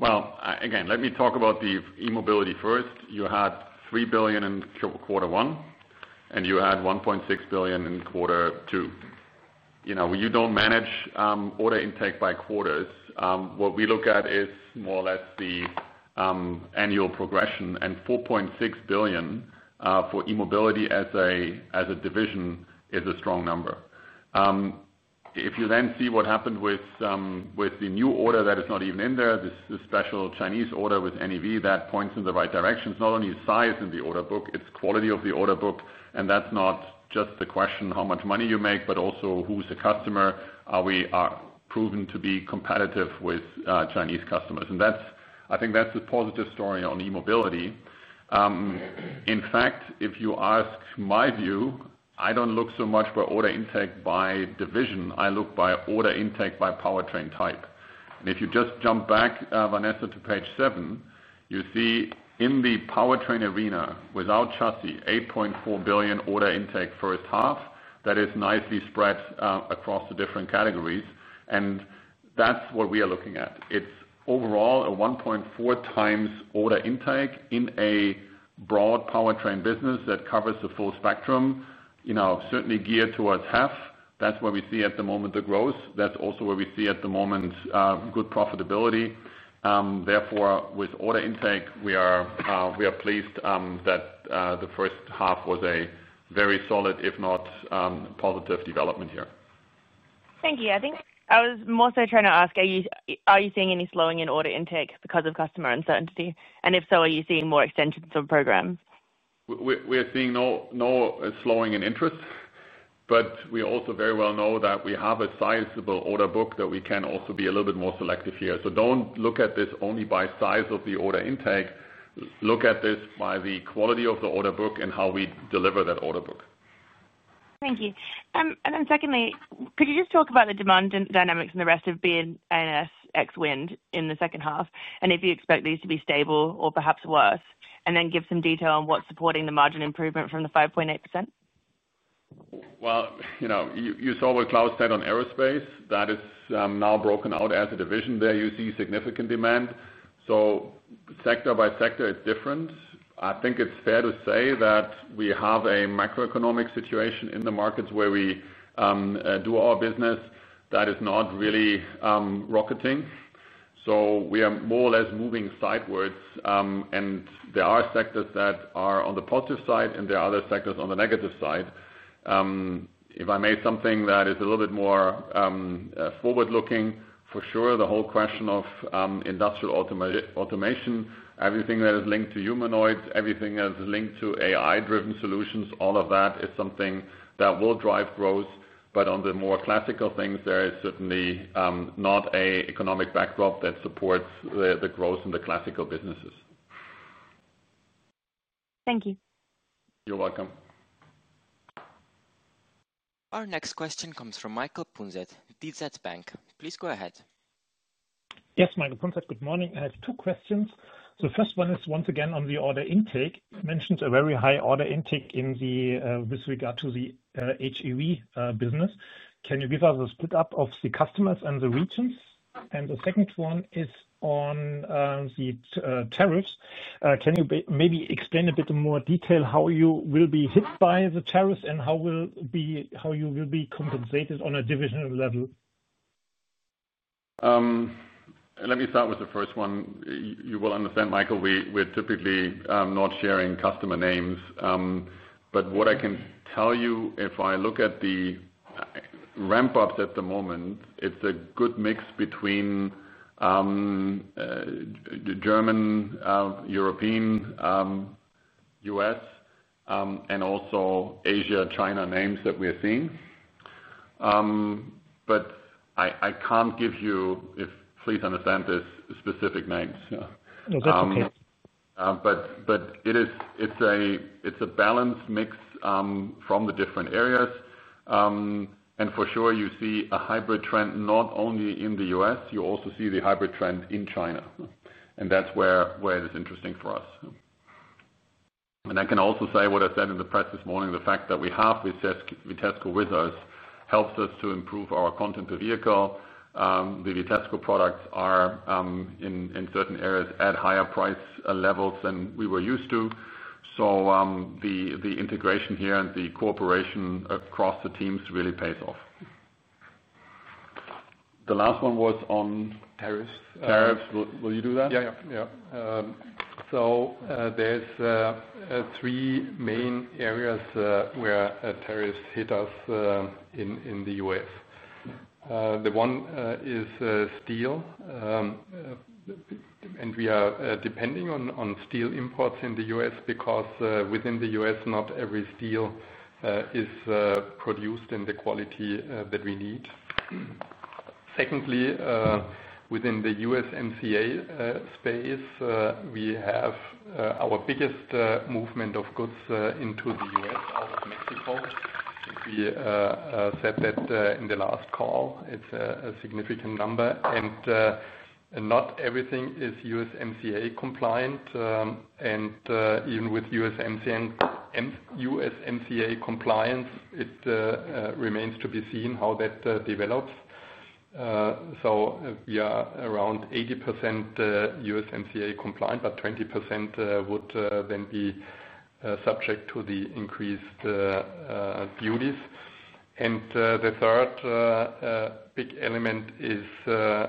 Let me talk about the E-Mobility first. You had $3 billion in quarter one, and you had $1.6 billion in quarter two. You don't manage order intake by quarters. What we look at is more or less the annual progression, and $4.6 billion for E-Mobility as a division is a strong number. If you then see what happened with the new order that is not even in there, this special Chinese order with NEV, that points in the right direction. It's not only size in the order book, it's quality of the order book. That's not just the question how much money you make, but also who's a customer. Are we proven to be competitive with Chinese customers? I think that's a positive story on E-Mobility. In fact, if you ask my view, I don't look so much by order intake by division. I look by order intake by Powertrain type. If you just jump back, Vanessa, to page seven, you see in the Powertrain arena without Chassis, $8.4 billion order intake for a half that is nicely spread across the different categories. That's what we are looking at. It's overall a 1.4x order intake in a broad Powertrain business that covers the full spectrum. Certainly geared towards half. That's where we see at the moment the growth. That's also where we see at the moment good profitability. Therefore, with order intake, we are pleased that the first half was a very solid, if not positive development here. Thank you. I think I was more so trying to ask, are you seeing any slowing in order intake because of customer uncertainty? If so, are you seeing more extensions of programs? We're seeing no slowing in interest, but we also very well know that we have a sizable order book that we can also be a little bit more selective here. Do not look at this only by size of the order intake. Look at this by the quality of the order book and how we deliver that order book. Thank you. Could you just talk about the demand and dynamics in the rest of of B&IS ex-Wind in the second half? Do you expect these to be stable or perhaps worse, and then give some detail on what's supporting the margin improvement from the 5.8%? You saw what Claus said on Aerospace. That is now broken out as a division. There you see significant demand. Sector by sector, it's different. I think it's fair to say that we have a macroeconomic situation in the markets where we do our business that is not really rocketing. We are more or less moving sidewards. There are sectors that are on the positive side, and there are other sectors on the negative side. If I may, something that is a little bit more forward-looking, for sure, the whole question of industrial automation, everything that is linked to humanoids, everything that is linked to AI-driven solutions, all of that is something that will drive growth. On the more classical things, there is certainly not an economic backdrop that supports the growth in the classical businesses. Thank you. You're welcome. Our next question comes from Michael Punzett at DZ Bank. Please go ahead. Yes, Michael Punzett, good morning. I have two questions. The first one is, once again, on the order intake, mentions a very high order intake with regard to the HEV business. Can you give us a split up of the customers and the regions? The second one is on the tariffs. Can you maybe explain a bit more detail how you will be hit by the tariffs and how you will be compensated on a divisional level? Let me start with the first one. You will understand, Michael, we're typically not sharing customer names. What I can tell you, if I look at the ramp-ups at the moment, it's a good mix between German, European, U.S., and also Asia, China names that we're seeing. I can't give you, please understand this, specific names. No, that's okay. It's a balanced mix from the different areas. You see a hybrid trend not only in the U.S., you also see the hybrid trend in China. That's where it is interesting for us. I can also say what I said in the press this morning, the fact that we have Vitesco with us helps us to improve our content to vehicle. The Vitesco products are in certain areas at higher price levels than we were used to. The integration here and the cooperation across the teams really pays off. The last one was on tariffs. Will you do that? There are three main areas where tariffs hit us in the U.S. One is Steel. We are depending on steel imports in the U.S. because within the U.S., not every steel is produced in the quality that we need. Secondly, within the USMCA space, we have our biggest movement of goods into the U.S. out of Mexico. As we said in the last call, it's a significant number. Not everything is USMCA compliant, and even with USMCA compliance, it remains to be seen how that develops. We are around 80% USMCA compliant, but 20% would then be subject to the increased duties. The third big element is a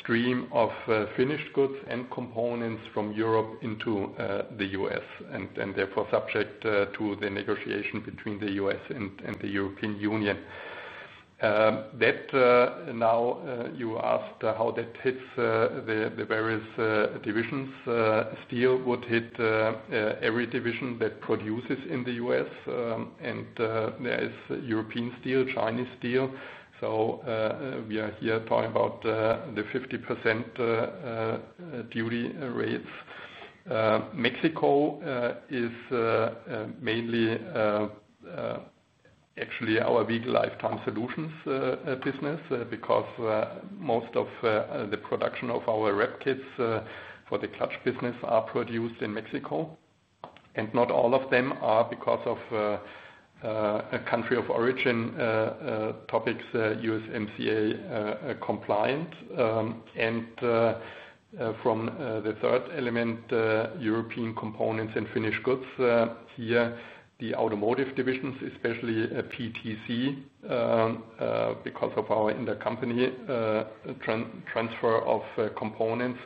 stream of finished goods and components from Europe into the U.S. and therefore subject to the negotiation between the U.S. and the European Union. You asked how that hits the various divisions. Steel would hit every division that produces in the U.S., and there is European steel, Chinese steel. We are here talking about the 50% duty rates. Mexico is mainly actually our Vehicle Lifetime Solutions business because most of the production of our rep kits for the clutch business are produced in Mexico. Not all of them are because of country of origin topics, USMCA compliant. From the third element, European components and finished goods, here, the automotive divisions, especially PTC, because of our intercompany transfer of components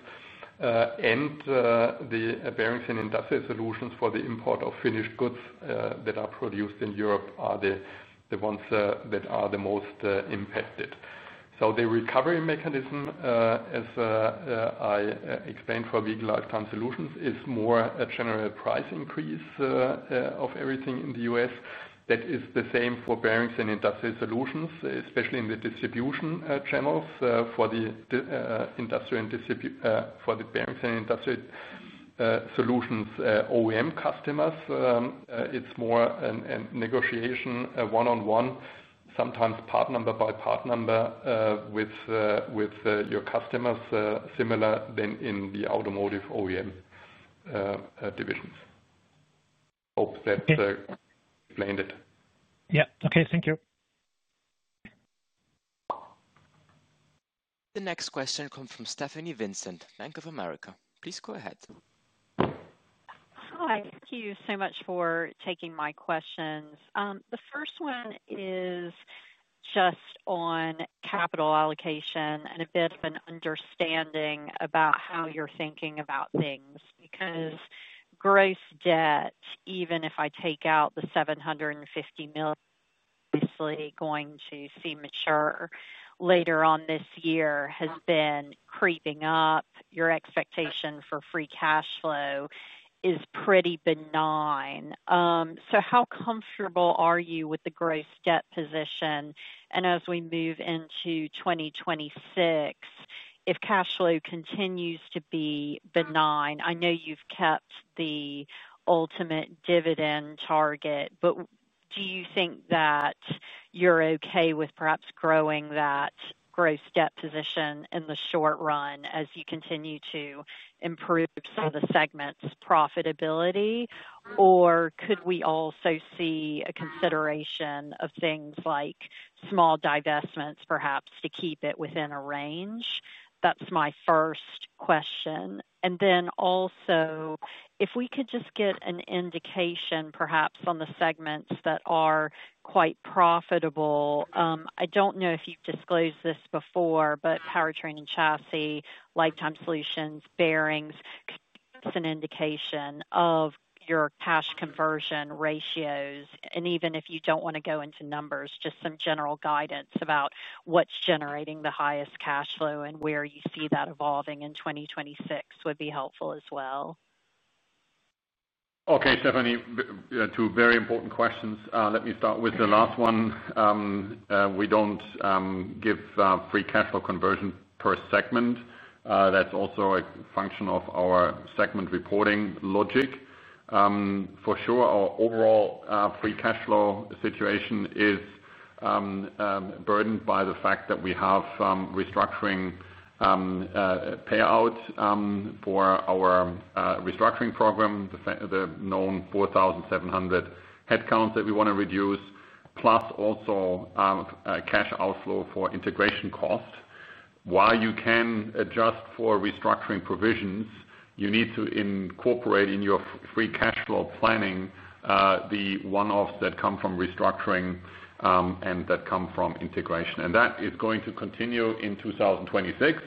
and the Bearings & Industrial Solutions for the import of finished goods that are produced in Europe, are the ones that are the most impacted. The recovery mechanism, as I explained for Vehicle Lifetime Solutions, is more a general price increase of everything in the U.S. That is Bearings & Industrial Solutions, especially in the distribution channels for the industrial and industrial solutions OEM customers. It's more a negotiation one-on-one, sometimes part number by part number with your customers, similar to in the automotive OEM divisions. Hope that explained it. Okay, thank you. The next question comes from Stephanie Vincent, Bank of America. Please go ahead. Hi. Thank you so much for taking my questions. The first one is just on capital allocation and a bit of an understanding about how you're thinking about things. Because gross debt, even if I take out the $750 million, obviously going to see mature later on this year, has been creeping up. Your expectation for Free Cash Flow is pretty benign. How comfortable are you with the gross debt position? As we move into 2026, if cash flow continues to be benign, I know you've kept the ultimate dividend target, but do you think that you're okay with perhaps growing that gross debt position in the short run as you continue to improve some of the segments' profitability? Could we also see a consideration of things like small divestments, perhaps, to keep it within a range? That's my first question. If we could just get an indication perhaps on the segments that are quite profitable. I don't know if you've disclosed this before, but Powertrain & Chassis, Lifetime Solutions, Bearings, give us an indication of your cash conversion ratios. Even if you don't want to go into numbers, just some general guidance about what's generating the highest cash flow and where you see that evolving in 2026 would be helpful as well. Okay, Stephanie. Two very important questions. Let me start with the last one. We don't give Free Cash Flow conversion per segment. That's also a function of our segment reporting logic. For sure, our overall Free Cash Flow situation is burdened by the fact that we have restructuring payouts for our restructuring program, the known 4,700 headcount that we want to reduce, plus also cash outflow for integration cost. While you can adjust for restructuring provisions, you need to incorporate in your Free Cash Flow planning the one-offs that come from restructuring and that come from integration. That is going to continue in 2026.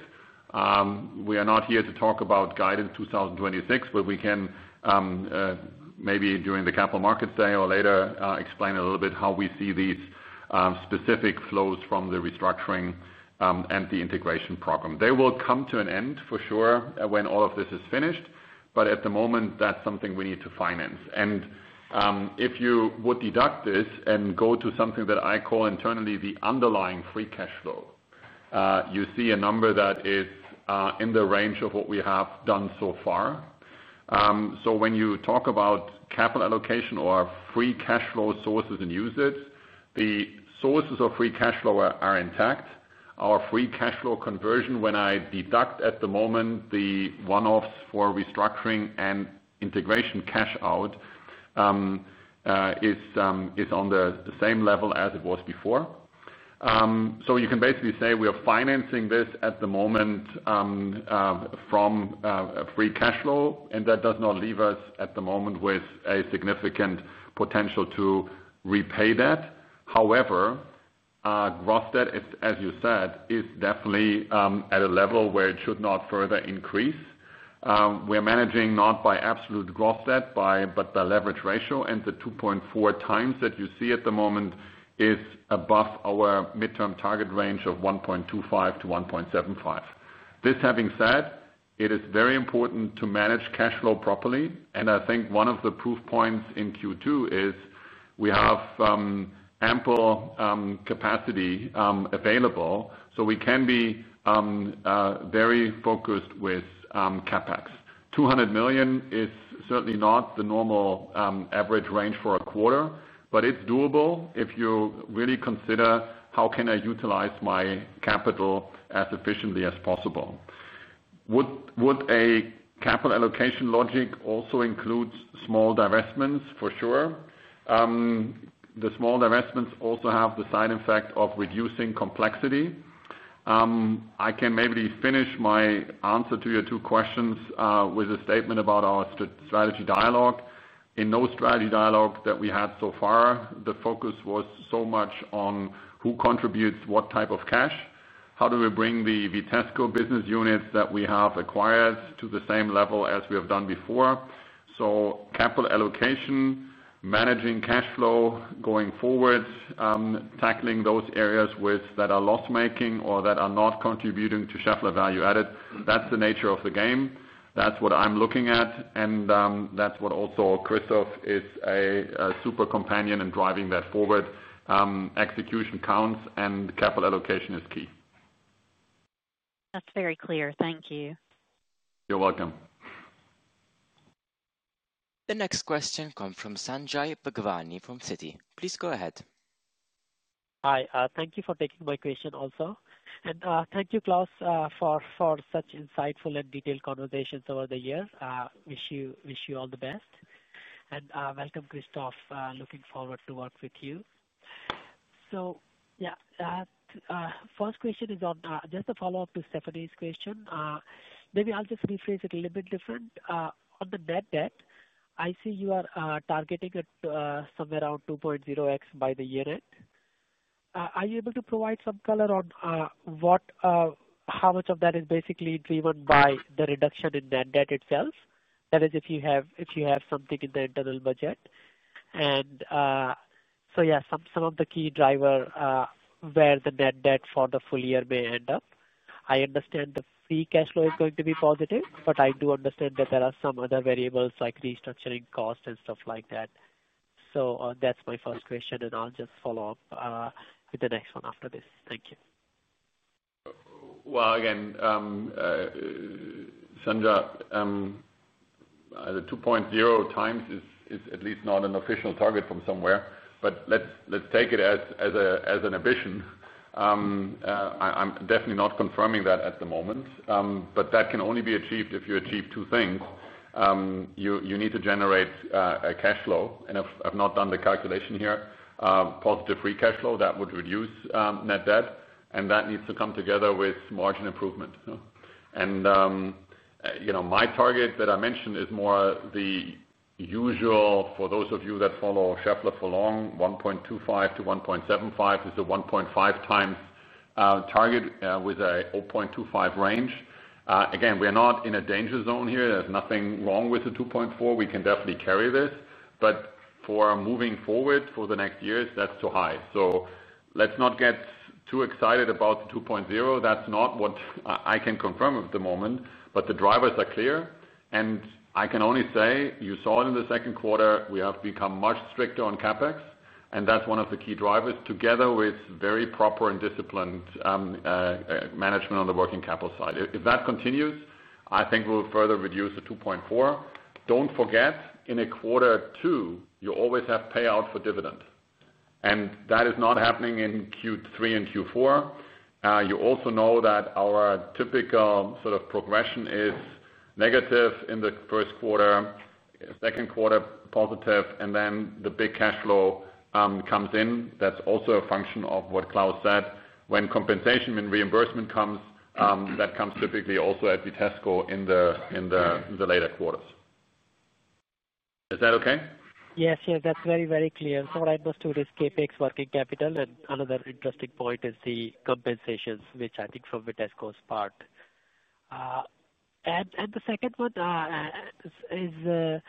We are not here to talk about Guidance 2026, but we can maybe during the Capital Markets Day or later explain a little bit how we see these specific flows from the restructuring and the integration program. They will come to an end for sure when all of this is finished. At the moment, that's something we need to finance. If you would deduct this and go to something that I call internally the underlying Free Cash Flow, you see a number that is in the range of what we have done so far. When you talk about capital allocation or Free Cash Flow sources and usage, the sources of Free Cash Flow are intact. Our Free Cash Flow conversion, when I deduct at the moment the one-offs for restructuring and integration cash out, is on the same level as it was before. You can basically say we are financing this at the moment from Free Cash Flow, and that does not leave us at the moment with a significant potential to repay debt. However, gross debt, as you said, is definitely at a level where it should not further increase. We are managing not by absolute gross debt, but by leverage ratio. The 2.4x that you see at the moment is above our midterm target range of 1.25x-1.75x. This having said, it is very important to manage cash flow properly. I think one of the proof points in Q2 is we have ample capacity available. We can be very focused with CapEx. $200 million is certainly not the normal average range for a quarter, but it's doable if you really consider how can I utilize my capital as efficiently as possible. Would a capital allocation logic also include small divestments? For sure. The small divestments also have the side effect of reducing complexity. I can maybe finish my answer to your two questions with a statement about our strategy dialogue. In no strategy dialogue that we had so far, the focus was so much on who contributes what type of cash. How do we bring the Vitesco business units that we have acquired to the same level as we have done before? Capital allocation, managing cash flow going forward, tackling those areas that are loss-making or that are not contributing to Schaeffler value added. That's the nature of the game. That's what I'm looking at. That's what also Christophe is a super companion in driving that forward. Execution counts and capital allocation is key. That's very clear. Thank you. You're welcome. The next question comes from Sanjay Bhagwani from Citi. Please go ahead. Hi. Thank you for taking my question also. Thank you, Claus, for such insightful and detailed conversations over the year. Wish you all the best. Welcome, Christophe. Looking forward to work with you. First question is on just a follow-up to Stephanie's question. Maybe I'll just rephrase it a little bit different. On the net debt, I see you are targeting somewhere around 2.0x by the year end. Are you able to provide some color on how much of that is basically driven by the reduction in net debt itself? That is if you have something in the internal budget. Some of the key drivers where the net debt for the full year may end up. I understand the Free Cash Flow is going to be positive, but I do understand that there are some other variables like restructuring cost and stuff like that. That's my first question. I'll just follow up with the next one after this. Thank you. Again, Sanjay, the 2.0x is at least not an official target from somewhere. Let's take it as an ambition. I'm definitely not confirming that at the moment. That can only be achieved if you achieve two things. You need to generate a cash flow. I've not done the calculation here. Positive Free Cash Flow that would reduce net debt. That needs to come together with margin improvement. My target that I mentioned is more the usual for those of you that follow Schaeffler AG for long. 1.25x-1.75x is the 1.5x target with a 0.25x range. We are not in a danger zone here. There's nothing wrong with the 2.4x. We can definitely carry this. For moving forward for the next years, that's too high. Let's not get too excited about the 2.0x. That's not what I can confirm at the moment. The drivers are clear. I can only say, you saw it in the second quarter, we have become much stricter on CapEx. That's one of the key drivers, together with very proper and disciplined management on the working capital side. If that continues, I think we'll further reduce the 2.4x. Don't forget, in quarter two, you always have payout for dividend. That is not happening in Q3 and Q4. You also know that our typical sort of progression is negative in the first quarter, second quarter positive, and then the big cash flow comes in. That's also a function of what Claus said. When compensation and reimbursement comes, that comes typically also at Vitesco in the later quarters. Is that okay? Yes, yes. That's very, very clear. What I must do is CapEx working capital. Another interesting point is the compensations, which I think from Vitesco's part. The second one is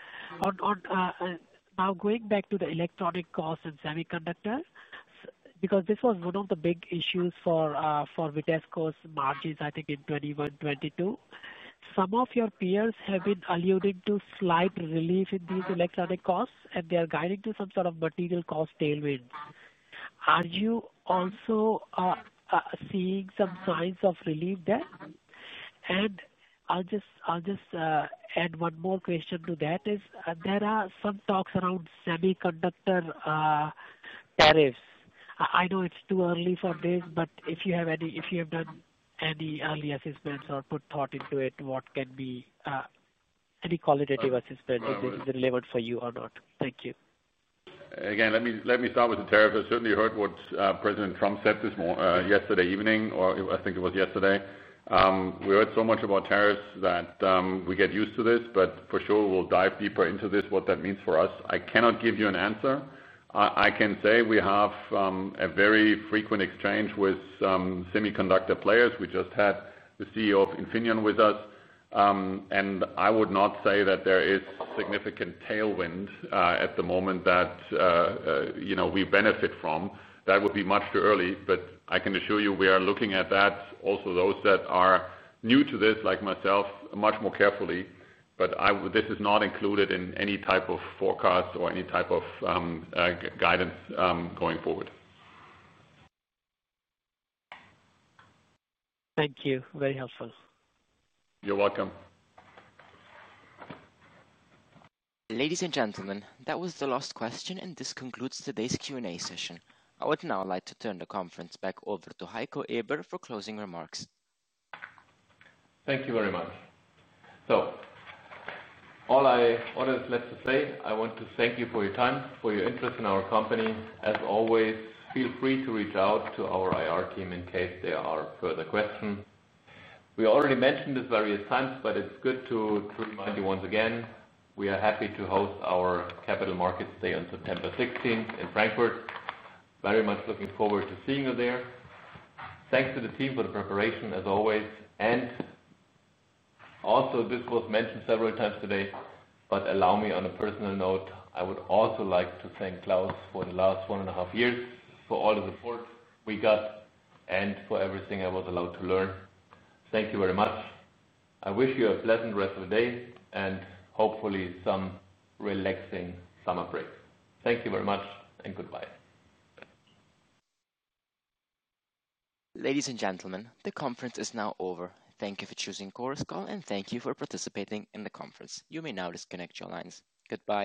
now going back to the electronic costs and semiconductors, because this was one of the big issues for Vitesco's margins, I think, in 2021, 2022. Some of your peers have been alluding to slight relief in these electronic costs, and they are guiding to some sort of material cost tailwinds. Are you also seeing some signs of relief there? I'll just add one more question to that. There are some talks around semiconductor tariffs. I know it's too early for this, but if you have any, if you have done any early assessments or put thought into it, what can be any qualitative assessment if this is relevant for you or not? Thank you. Again, let me start with the tariffs. I certainly heard what President Trump said yesterday evening, or I think it was yesterday. We heard so much about tariffs that we get used to this, but for sure, we'll dive deeper into this, what that means for us. I cannot give you an answer. I can say we have a very frequent exchange with semiconductor players. We just had the CEO of Infineon with us. I would not say that there is significant tailwind at the moment that we benefit from. That would be much too early. I can assure you we are looking at that. Also, those that are new to this, like myself, much more carefully. This is not included in any type of forecast or any type of guidance going forward. Thank you. Very helpful. You're welcome. Ladies and gentlemen, that was the last question, and this concludes today's Q&A session. I would now like to turn the conference back over to Heiko Eber for closing remarks. Thank you very much. All I wanted to say, I want to thank you for your time, for your interest in our company. As always, feel free to reach out to our IR team in case there are further questions. We already mentioned this various times, but it's good to remind you once again, we are happy to host our Capital Markets Day on September 16th in Frankfurt. Very much looking forward to seeing you there. Thanks to the team for the preparation, as always. This was mentioned several times today, but allow me on a personal note, I would also like to thank Claus for the last one and a half years for all the support we got and for everything I was allowed to learn. Thank you very much. I wish you a pleasant rest of the day and hopefully some relaxing summer break. Thank you very much, and goodbye. Ladies and gentlemen, the conference is now over. Thank you for choosing Chorus Call, and thank you for participating in the conference. You may now disconnect your lines. Goodbye.